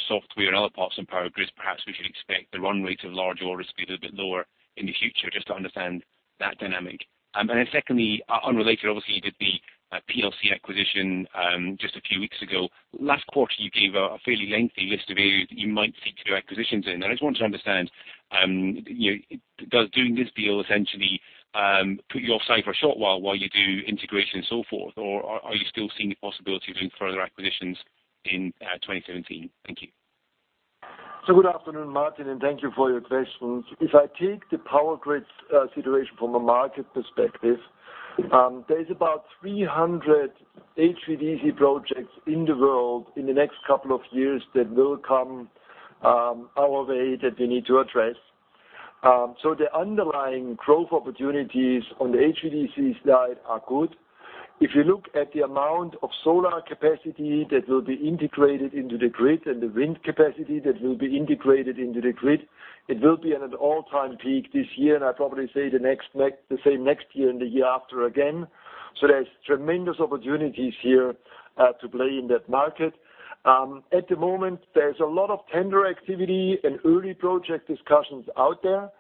software and other parts in Power Grids, perhaps we should expect the run rate of large orders to be a little bit lower in the future, just to understand that dynamic? Then secondly, unrelated obviously, you did the PLC acquisition just a few weeks ago. Last quarter, you gave a fairly lengthy list of areas that you might seek to do acquisitions in. I just want to understand, does doing this deal essentially put you offside for a short while you do integration and so forth? Or are you still seeing the possibility of doing further acquisitions in 2017? Thank you. Good afternoon, Martin, and thank you for your questions. If I take the Power Grids situation from a market perspective, there's about 300 HVDC projects in the world in the next couple of years that will come our way that we need to address. The underlying growth opportunities on the HVDC side are good. If you look at the amount of solar capacity that will be integrated into the grid and the wind capacity that will be integrated into the grid, it will be at an all-time peak this year, and I'd probably say the same next year and the year after again. There's tremendous opportunities here to play in that market. At the moment, there's a lot of tender activity and early project discussions out there,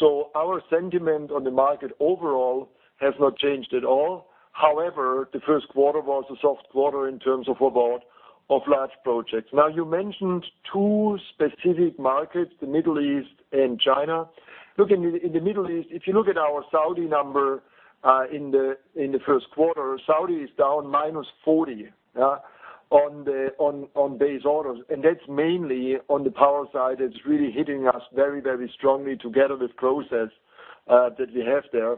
so our sentiment on the market overall has not changed at all. However, the first quarter was a soft quarter in terms of award of large projects. Now you mentioned two specific markets, the Middle East and China. Look, in the Middle East, if you look at our Saudi number in the first quarter, Saudi is down minus 40 on base orders. That's mainly on the power side, it's really hitting us very strongly together with process that we have there.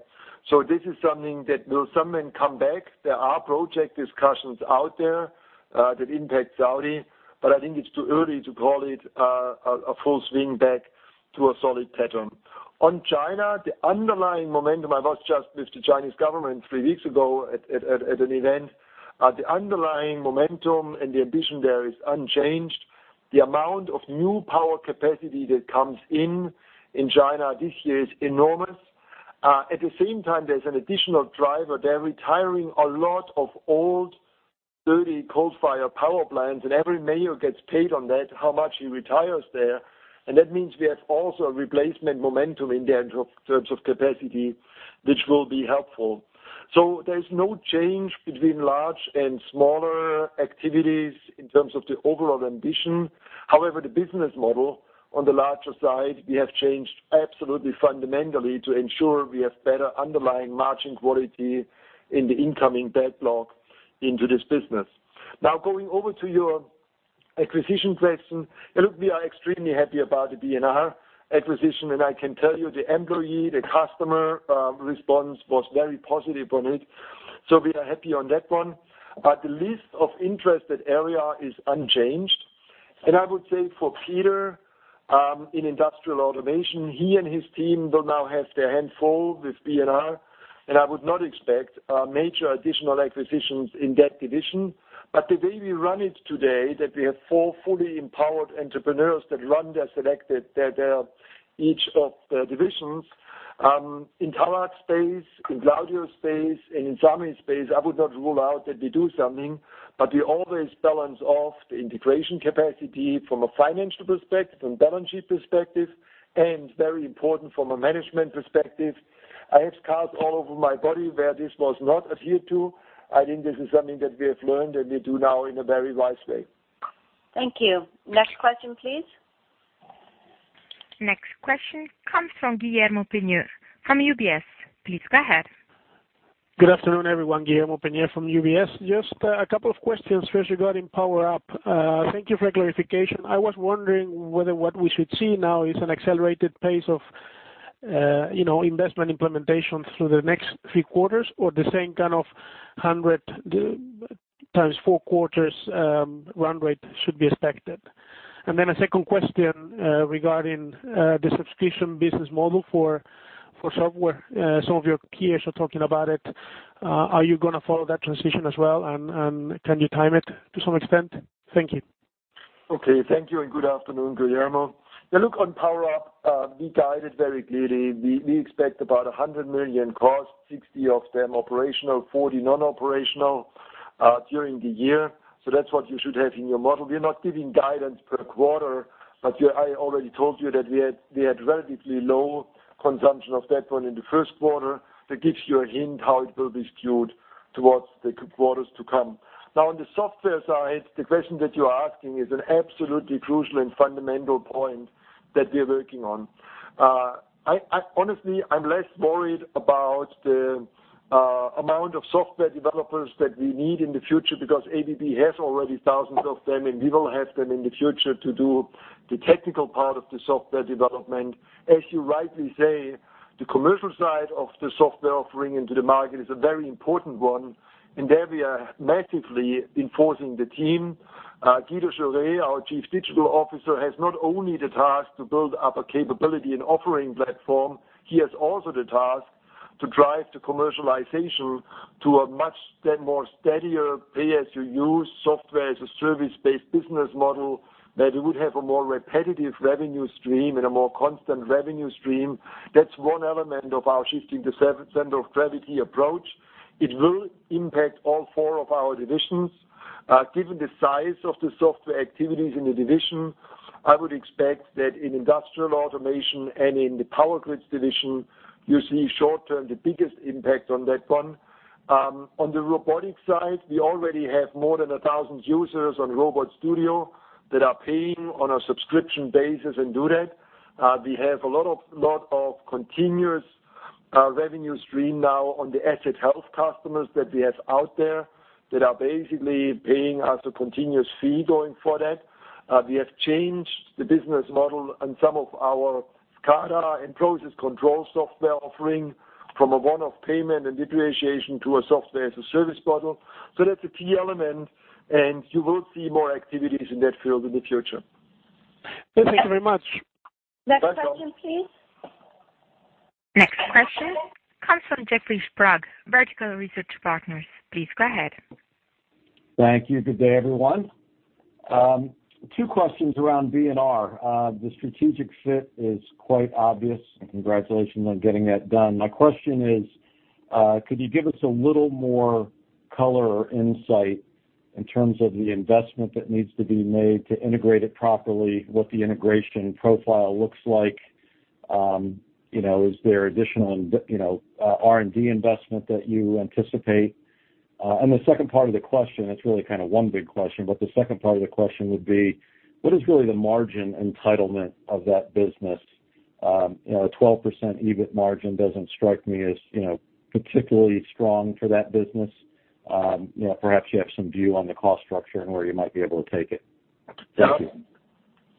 This is something that will somehow come back. There are project discussions out there that impact Saudi, but I think it's too early to call it a full swing back to a solid pattern. On China, the underlying momentum, I was just with the Chinese government three weeks ago at an event. The underlying momentum and the ambition there is unchanged. The amount of new power capacity that comes in in China this year is enormous. At the same time, there's an additional driver. They're retiring a lot of old dirty coal-fire power plants, and every mayor gets paid on that, how much he retires there. That means we have also a replacement momentum in there in terms of capacity, which will be helpful. There's no change between large and smaller activities in terms of the overall ambition. However, the business model on the larger side, we have changed absolutely fundamentally to ensure we have better underlying margin quality in the incoming backlog into this business. Now, going over to your acquisition question. Look, we are extremely happy about the B&R acquisition, and I can tell you the employee, the customer response was very positive on it. We are happy on that one. The list of interested area is unchanged. I would say for Peter, in Industrial Automation, he and his team will now have their handful with B&R. I would not expect major additional acquisitions in that division. The way we run it today, that we have four fully empowered entrepreneurs that run each of the divisions. In Tarak's space, in Claudio's space, in Sami's space, I would not rule out that we do something, but we always balance off the integration capacity from a financial perspective, balance sheet perspective, very important from a management perspective. I have scars all over my body where this was not adhered to. I think this is something that we have learned, we do now in a very wise way. Thank you. Next question, please. Next question comes from Guillermo Pena from UBS. Please go ahead. Good afternoon, everyone. Guillermo Pena from UBS. Just a couple of questions. First regarding Power Up. Thank you for the clarification. I was wondering whether what we should see now is an accelerated pace of investment implementation through the next three quarters or the same kind of 100 times four quarters run rate should be expected. Then a second question regarding the subscription business model for software. Some of your peers are talking about it. Are you going to follow that transition as well? Can you time it to some extent? Thank you. Thank you and good afternoon, Guillermo. On Power Up, we guided very clearly. We expect about $100 million costs, $60 of them operational, $40 non-operational during the year. That's what you should have in your model. We're not giving guidance per quarter, but I already told you that we had relatively low consumption of that one in the first quarter. That gives you a hint how it will be skewed towards the quarters to come. On the software side, the question that you're asking is an absolutely crucial and fundamental point that we're working on. Honestly, I'm less worried about the amount of software developers that we need in the future because ABB has already thousands of them, and we will have them in the future to do the technical part of the software development. As you rightly say, the commercial side of the software offering into the market is a very important one. There we are massively enforcing the team. Guido Jouret, our Chief Digital Officer, has not only the task to build up a capability and offering platform, he has also the task to drive the commercialization to a much more steadier pay-as-you-use software as a service-based business model, that it would have a more repetitive revenue stream and a more constant revenue stream. That's one element of our shifting the center of gravity approach. It will impact all four of our divisions. Given the size of the software activities in the division, I would expect that in Industrial Automation and in the Power Grids division, you see short-term, the biggest impact on that one. On the robotic side, we already have more than 1,000 users on RobotStudio that are paying on a subscription basis and do that. We have a lot of continuous revenue stream now on the asset health customers that we have out there, that are basically paying us a continuous fee going forward. We have changed the business model and some of our SCADA and process control software offering from a one-off payment and depreciation to a software-as-a-service model. That's a key element, and you will see more activities in that field in the future. Thank you very much. Next question, please. Next question comes from Jeffrey Sprague, Vertical Research Partners. Please go ahead. Thank you. Good day, everyone. Two questions around B&R. The strategic fit is quite obvious. Congratulations on getting that done. My question is, could you give us a little more color or insight in terms of the investment that needs to be made to integrate it properly, what the integration profile looks like? Is there additional R&D investment that you anticipate? The second part of the question, it's really kind of one big question, but the second part of the question would be, what is really the margin entitlement of that business? 12% EBIT margin doesn't strike me as particularly strong for that business. Perhaps you have some view on the cost structure and where you might be able to take it. Thank you.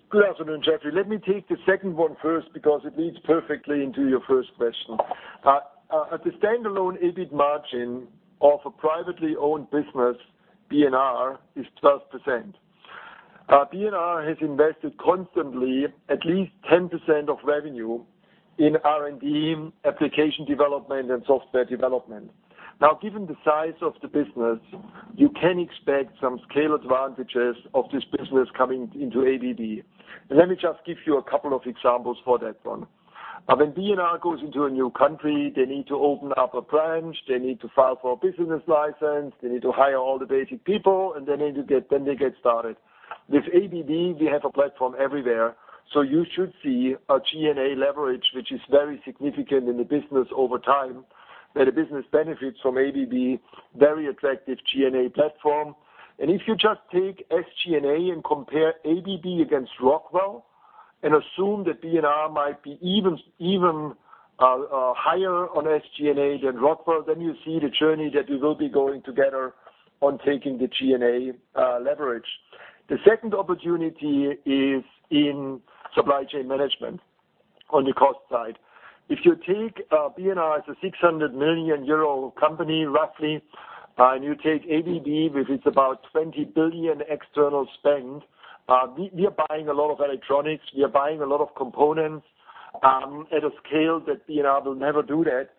Good afternoon, Jeffrey. Let me take the second one first because it leads perfectly into your first question. At the standalone EBIT margin of a privately owned business, B&R is 12%. B&R has invested constantly at least 10% of revenue in R&D, application development, and software development. Given the size of the business, you can expect some scale advantages of this business coming into ABB. Let me just give you a couple of examples for that one. When B&R goes into a new country, they need to open up a branch. They need to file for a business license. They need to hire all the basic people, and then they get started. With ABB, we have a platform everywhere, so you should see a G&A leverage, which is very significant in the business over time, that the business benefits from ABB very attractive G&A platform. If you just take SG&A and compare ABB against Rockwell and assume that B&R might be even higher on SG&A than Rockwell, then you see the journey that we will be going together on taking the G&A leverage. The second opportunity is in supply chain management on the cost side. If you take B&R as a 600 million euro company, roughly, and you take ABB, which is about $20 billion external spend. We are buying a lot of electronics, we are buying a lot of components at a scale that B&R will never do that.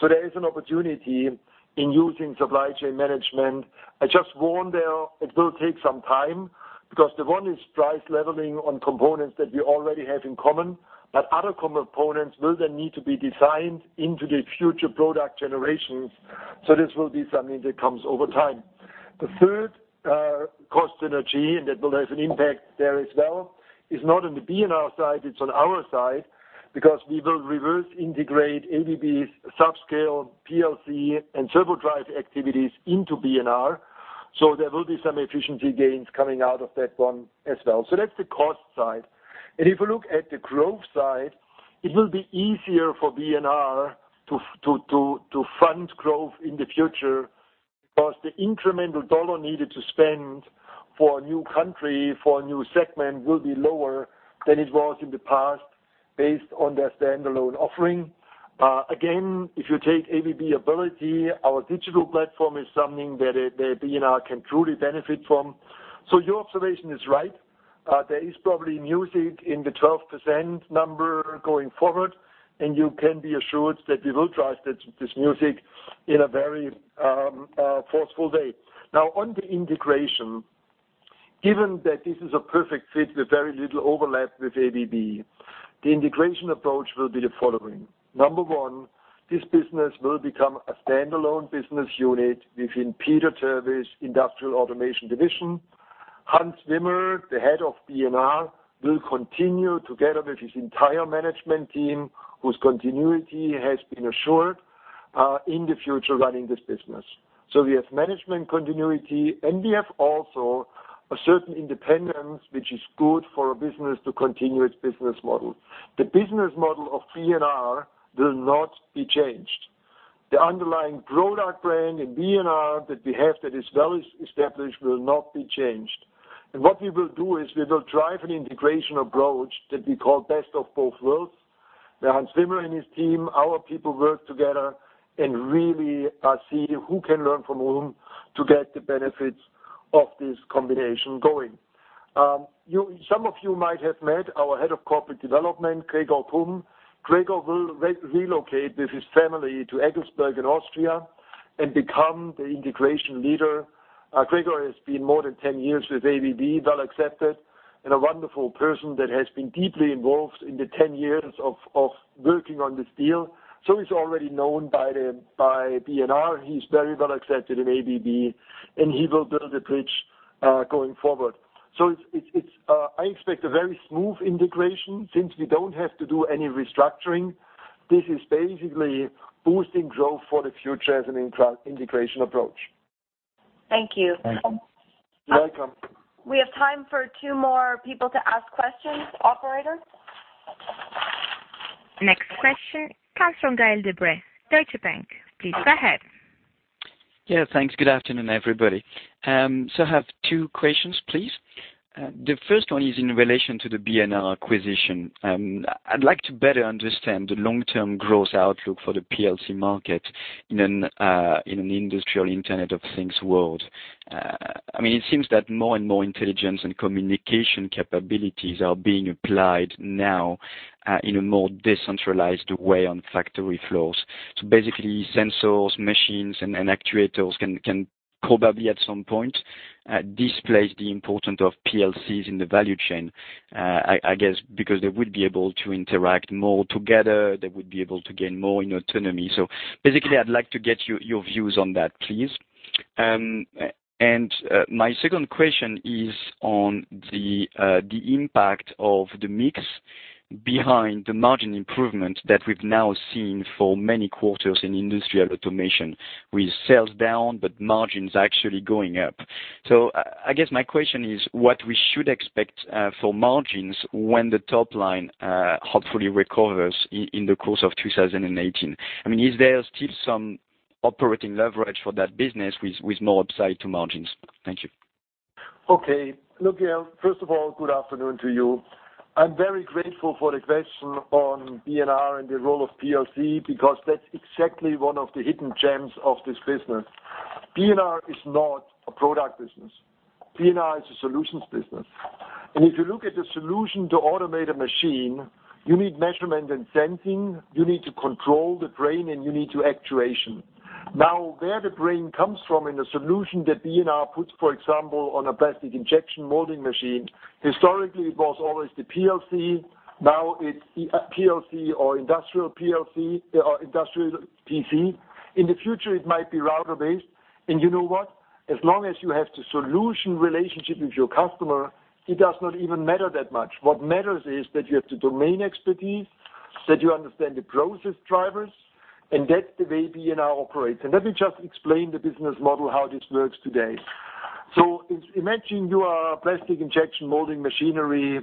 There is an opportunity in using supply chain management. I just warn there, it will take some time because one is price leveling on components that we already have in common, other components will then need to be designed into the future product generations. This will be something that comes over time. The third cost synergy, and that will have an impact there as well, is not on the B&R side, it's on our side because we will reverse integrate ABB's subscale PLC and server drive activities into B&R. There will be some efficiency gains coming out of that one as well. That's the cost side. If you look at the growth side, it will be easier for B&R to fund growth in the future because the incremental dollar needed to spend for a new country, for a new segment, will be lower than it was in the past based on their standalone offering. Again, if you take ABB Ability, our digital platform is something that B&R can truly benefit from. Your observation is right. There is probably music in the 12% number going forward, and you can be assured that we will drive this music in a very forceful way. Now, on the integration, given that this is a perfect fit with very little overlap with ABB, the integration approach will be the following. Number one, this business will become a standalone business unit within Peter Terwiesch, Industrial Automation Division. Hans Wimmer, the head of B&R, will continue together with his entire management team, whose continuity has been assured in the future running this business. We have management continuity and we have also a certain independence which is good for a business to continue its business model. The business model of B&R will not be changed. The underlying product brand in B&R that we have that is well established will not be changed. What we will do is we will drive an integration approach that we call best of both worlds. Hans Wimmer and his team, our people work together and really see who can learn from whom to get the benefits of this combination going. Some of you might have met our head of corporate development, Gregor Kumm. Gregor will relocate with his family to Eggelsberg in Austria and become the integration leader. Gregor has been more than 10 years with ABB, well accepted, and a wonderful person that has been deeply involved in the 10 years of working on this deal. He's already known by B&R. He's very well accepted in ABB, and he will build a bridge going forward. I expect a very smooth integration since we don't have to do any restructuring. This is basically boosting growth for the future as an integration approach. Thank you. You're welcome. We have time for two more people to ask questions. Operator? Next question comes from Gael de-Bray, Deutsche Bank. Please go ahead. Yeah, thanks. Good afternoon, everybody. I have two questions, please. The first one is in relation to the B&R acquisition. I'd like to better understand the long-term growth outlook for the PLC market in an industrial IoT world. It seems that more and more intelligence and communication capabilities are being applied now in a more decentralized way on factory floors. Sensors, machines, and actuators can probably at some point displace the importance of PLCs in the value chain. I guess because they would be able to interact more together, they would be able to gain more autonomy. I'd like to get your views on that, please. My second question is on the impact of the mix behind the margin improvement that we've now seen for many quarters in Industrial Automation with sales down, but margins actually going up. I guess my question is what we should expect for margins when the top line hopefully recovers in the course of 2018. Is there still some operating leverage for that business with more upside to margins? Thank you. Okay. Look, Gael, first of all, good afternoon to you. I'm very grateful for the question on B&R and the role of PLC because that's exactly one of the hidden gems of this business. B&R is not a product business. B&R is a solutions business. If you look at the solution to automate a machine, you need measurement and sensing, you need to control the brain, and you need the actuation. Now, where the brain comes from in a solution that B&R puts, for example, on a plastic injection molding machine, historically, it was always the PLC. Now it's PLC or industrial PLC or industrial PC. In the future, it might be router-based. You know what? As long as you have the solution relationship with your customer, it does not even matter that much. What matters is that you have the domain expertise, that you understand the process drivers, and that's the way B&R operates. Let me just explain the business model, how this works today. Imagine you are a plastic injection molding machinery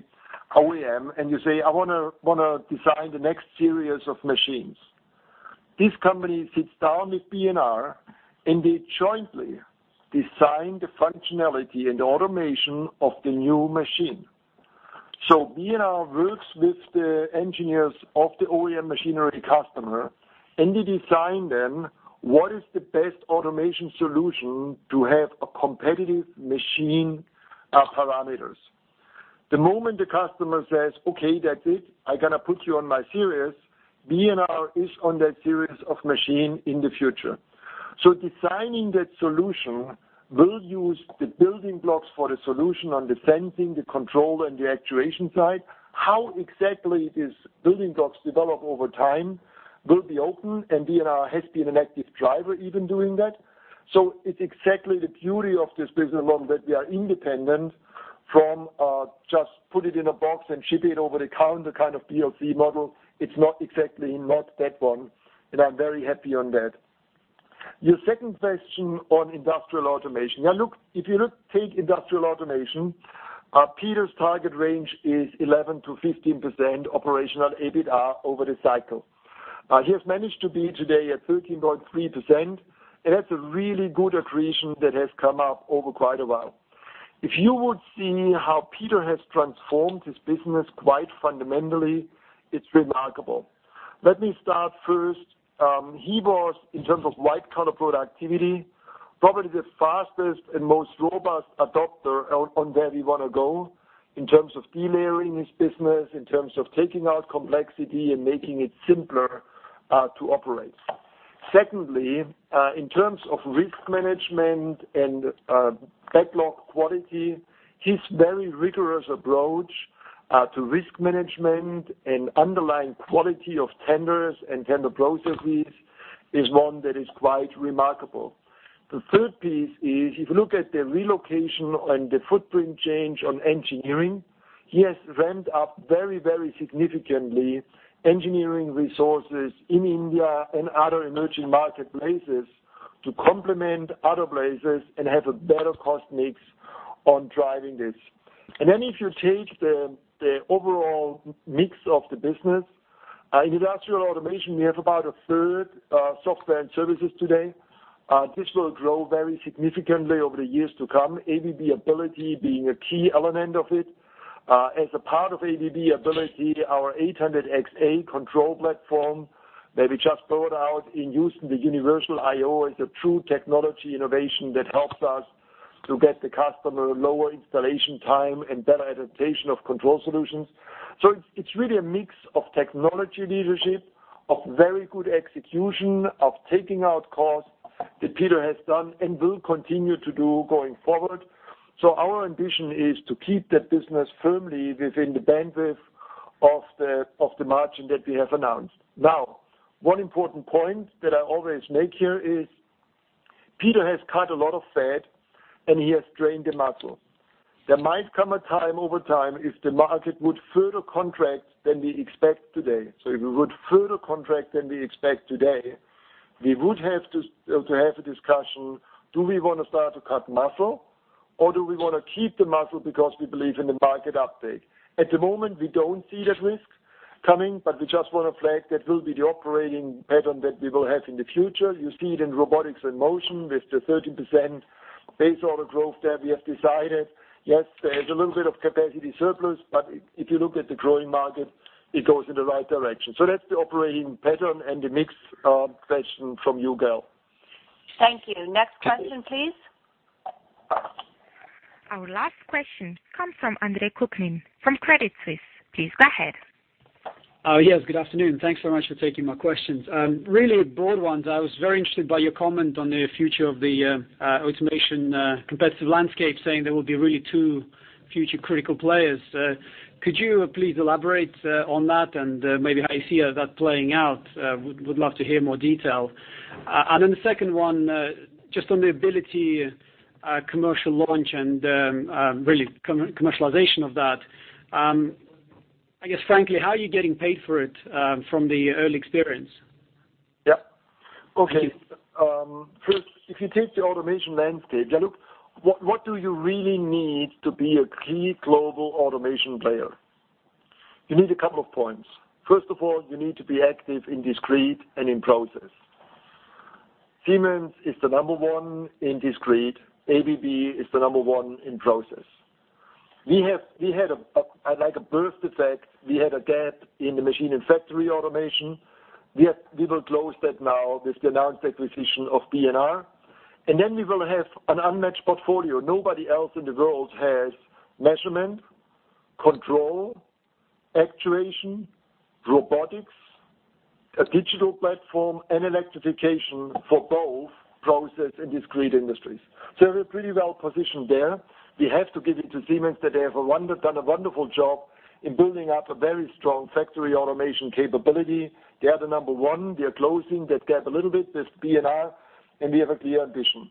OEM, and you say, "I want to design the next series of machines." This company sits down with B&R, and they jointly design the functionality and automation of the new machine. B&R works with the engineers of the OEM machinery customer, and they design then what is the best automation solution to have a competitive machine parameters. The moment the customer says, "Okay, that's it. I'm going to put you on my series." B&R is on that series of machine in the future. Designing that solution will use the building blocks for the solution on the sensing, the control, and the actuation side. How exactly these building blocks develop over time will be open, B&R has been an active driver even doing that. It's exactly the beauty of this business model that we are independent from just put it in a box and ship it over the counter kind of PLC model. It's not exactly not that one, and I'm very happy on that. Your second question on Industrial Automation. If you take Industrial Automation, Peter's target range is 11%-15% operational EBITA over the cycle. He has managed to be today at 13.3%, and that's a really good accretion that has come up over quite a while. If you would see how Peter has transformed his business quite fundamentally, it's remarkable. Let me start first. He was, in terms of light color productivity, probably the fastest and most robust adopter on where we want to go in terms of delayering his business, in terms of taking out complexity and making it simpler to operate. Secondly, in terms of risk management and backlog quality, his very rigorous approach to risk management and underlying quality of tenders and tender processes is one that is quite remarkable. The third piece is if you look at the relocation and the footprint change on engineering, he has ramped up very significantly engineering resources in India and other emerging marketplaces to complement other places and have a better cost mix on driving this. If you take the overall mix of the business, Industrial Automation, we have about a third software and services today. This will grow very significantly over the years to come, ABB Ability being a key element of it. As a part of ABB Ability, our System 800xA control platform that we just brought out in use in the universal I/O is a true technology innovation that helps us to get the customer lower installation time and better adaptation of control solutions. It's really a mix of technology leadership, of very good execution, of taking out costs that Peter has done and will continue to do going forward. Our ambition is to keep that business firmly within the bandwidth of the margin that we have announced. One important point that I always make here is Peter has cut a lot of fat and he has drained the muscle. There might come a time over time if the market would further contract than we expect today. If it would further contract than we expect today, we would have to have a discussion, do we want to start to cut muscle or do we want to keep the muscle because we believe in the market uptake? At the moment, we don't see that risk coming, but we just want to flag that will be the operating pattern that we will have in the future. You see it in Robotics and Motion with the 30% base order growth that we have decided. Yes, there's a little bit of capacity surplus, but if you look at the growing market, it goes in the right direction. That's the operating pattern and the mix question from you, Gael. Thank you. Next question, please. Our last question comes from Andre Kukhnin from Credit Suisse. Please go ahead. Yes, good afternoon. Thanks so much for taking my questions. Really broad ones. I was very interested by your comment on the future of the automation competitive landscape, saying there will be really two future critical players. Could you please elaborate on that and maybe how you see that playing out? Would love to hear more detail. Then the second one, just on the Ability commercial launch and really commercialization of that. I guess frankly, how are you getting paid for it from the early experience? Yeah. Okay. First, if you take the automation landscape, what do you really need to be a key global automation player? You need a couple of points. First of all, you need to be active in discrete and in process. Siemens is the number one in discrete. ABB is the number one in process. We had a birth defect. We had a gap in the machine and factory automation. We will close that now with the announced acquisition of B&R, and then we will have an unmatched portfolio. Nobody else in the world has measurement, control, actuation, robotics, a digital platform, and electrification for both process and discrete industries. We're pretty well positioned there. We have to give it to Siemens that they have done a wonderful job in building up a very strong factory automation capability. They are the number one. We are closing that gap a little bit with B&R, and we have a clear ambition.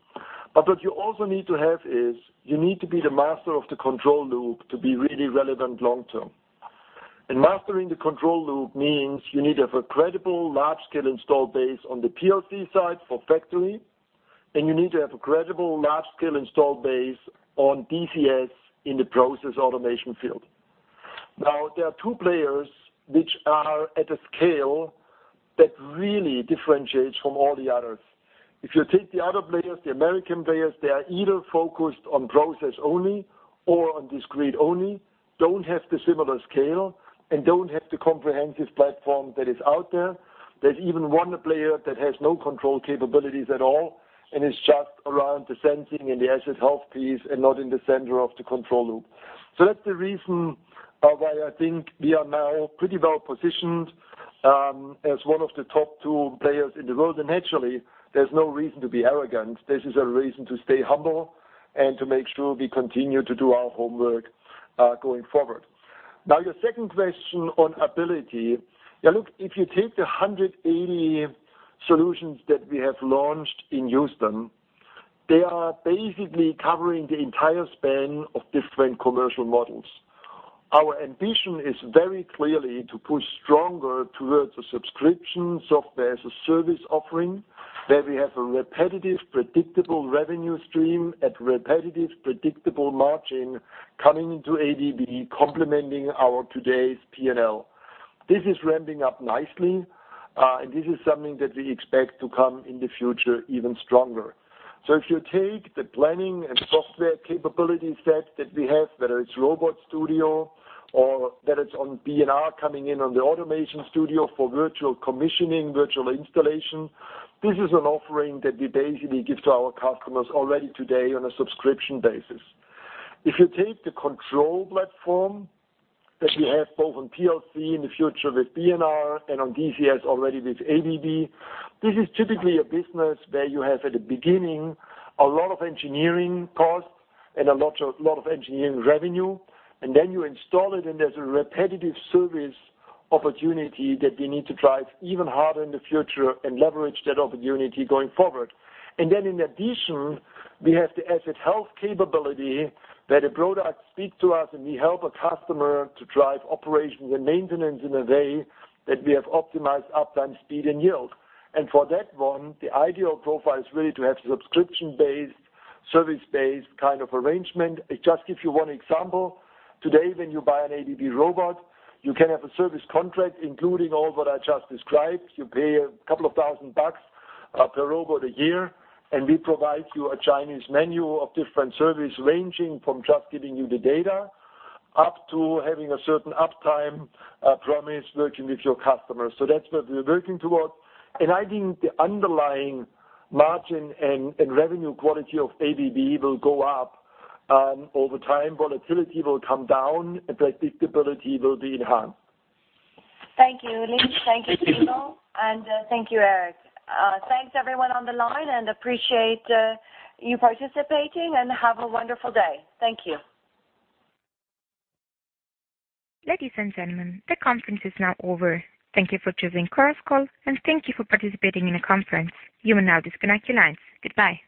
What you also need to have is, you need to be the master of the control loop to be really relevant long term. Mastering the control loop means you need to have a credible large-scale install base on the PLC side for factory, and you need to have a credible large-scale install base on DCS in the process automation field. There are two players which are at a scale that really differentiates from all the others. If you take the other players, the American players, they are either focused on process only or on discrete only, don't have the similar scale, and don't have the comprehensive platform that is out there. There's even one player that has no control capabilities at all, and is just around the sensing and the asset health piece and not in the center of the control loop. That's the reason why I think we are now pretty well positioned as one of the top 2 players in the world. Naturally, there's no reason to be arrogant. This is a reason to stay humble and to make sure we continue to do our homework going forward. Your second question on Ability. If you take the 180 solutions that we have launched in Houston, they are basically covering the entire span of different commercial models. Our ambition is very clearly to push stronger towards a subscription software-as-a-service offering, where we have a repetitive, predictable revenue stream at repetitive, predictable margin coming into ABB complementing our today's P&L. This is ramping up nicely, and this is something that we expect to come in the future even stronger. If you take the planning and software capability set that we have, whether it's RobotStudio or whether it's on B&R coming in on the Automation Studio for virtual commissioning, virtual installation, this is an offering that we basically give to our customers already today on a subscription basis. If you take the control platform that we have both on PLC in the future with B&R and on DCS already with ABB, this is typically a business where you have at the beginning a lot of engineering costs and a lot of engineering revenue, then you install it and there's a repetitive service opportunity that we need to drive even harder in the future and leverage that opportunity going forward. In addition, we have the asset health capability where the product speaks to us and we help a customer to drive operations and maintenance in a way that we have optimized uptime speed and yield. For that one, the ideal profile is really to have subscription-based, service-based kind of arrangement. Just give you one example. Today, when you buy an ABB robot, you can have a service contract including all what I just described. You pay a couple of thousand bucks per robot a year, and we provide you a Chinese menu of different service ranging from just giving you the data up to having a certain uptime promise working with your customers. That's what we're working towards. I think the underlying margin and revenue quality of ABB will go up over time. Volatility will come down and predictability will be enhanced. Thank you, Ulrich. Thank you, Peter, and thank you, Eric. Thanks everyone on the line and appreciate you participating, and have a wonderful day. Thank you. Ladies and gentlemen, the conference is now over. Thank you for choosing Chorus Call, and thank you for participating in the conference. You may now disconnect your lines. Goodbye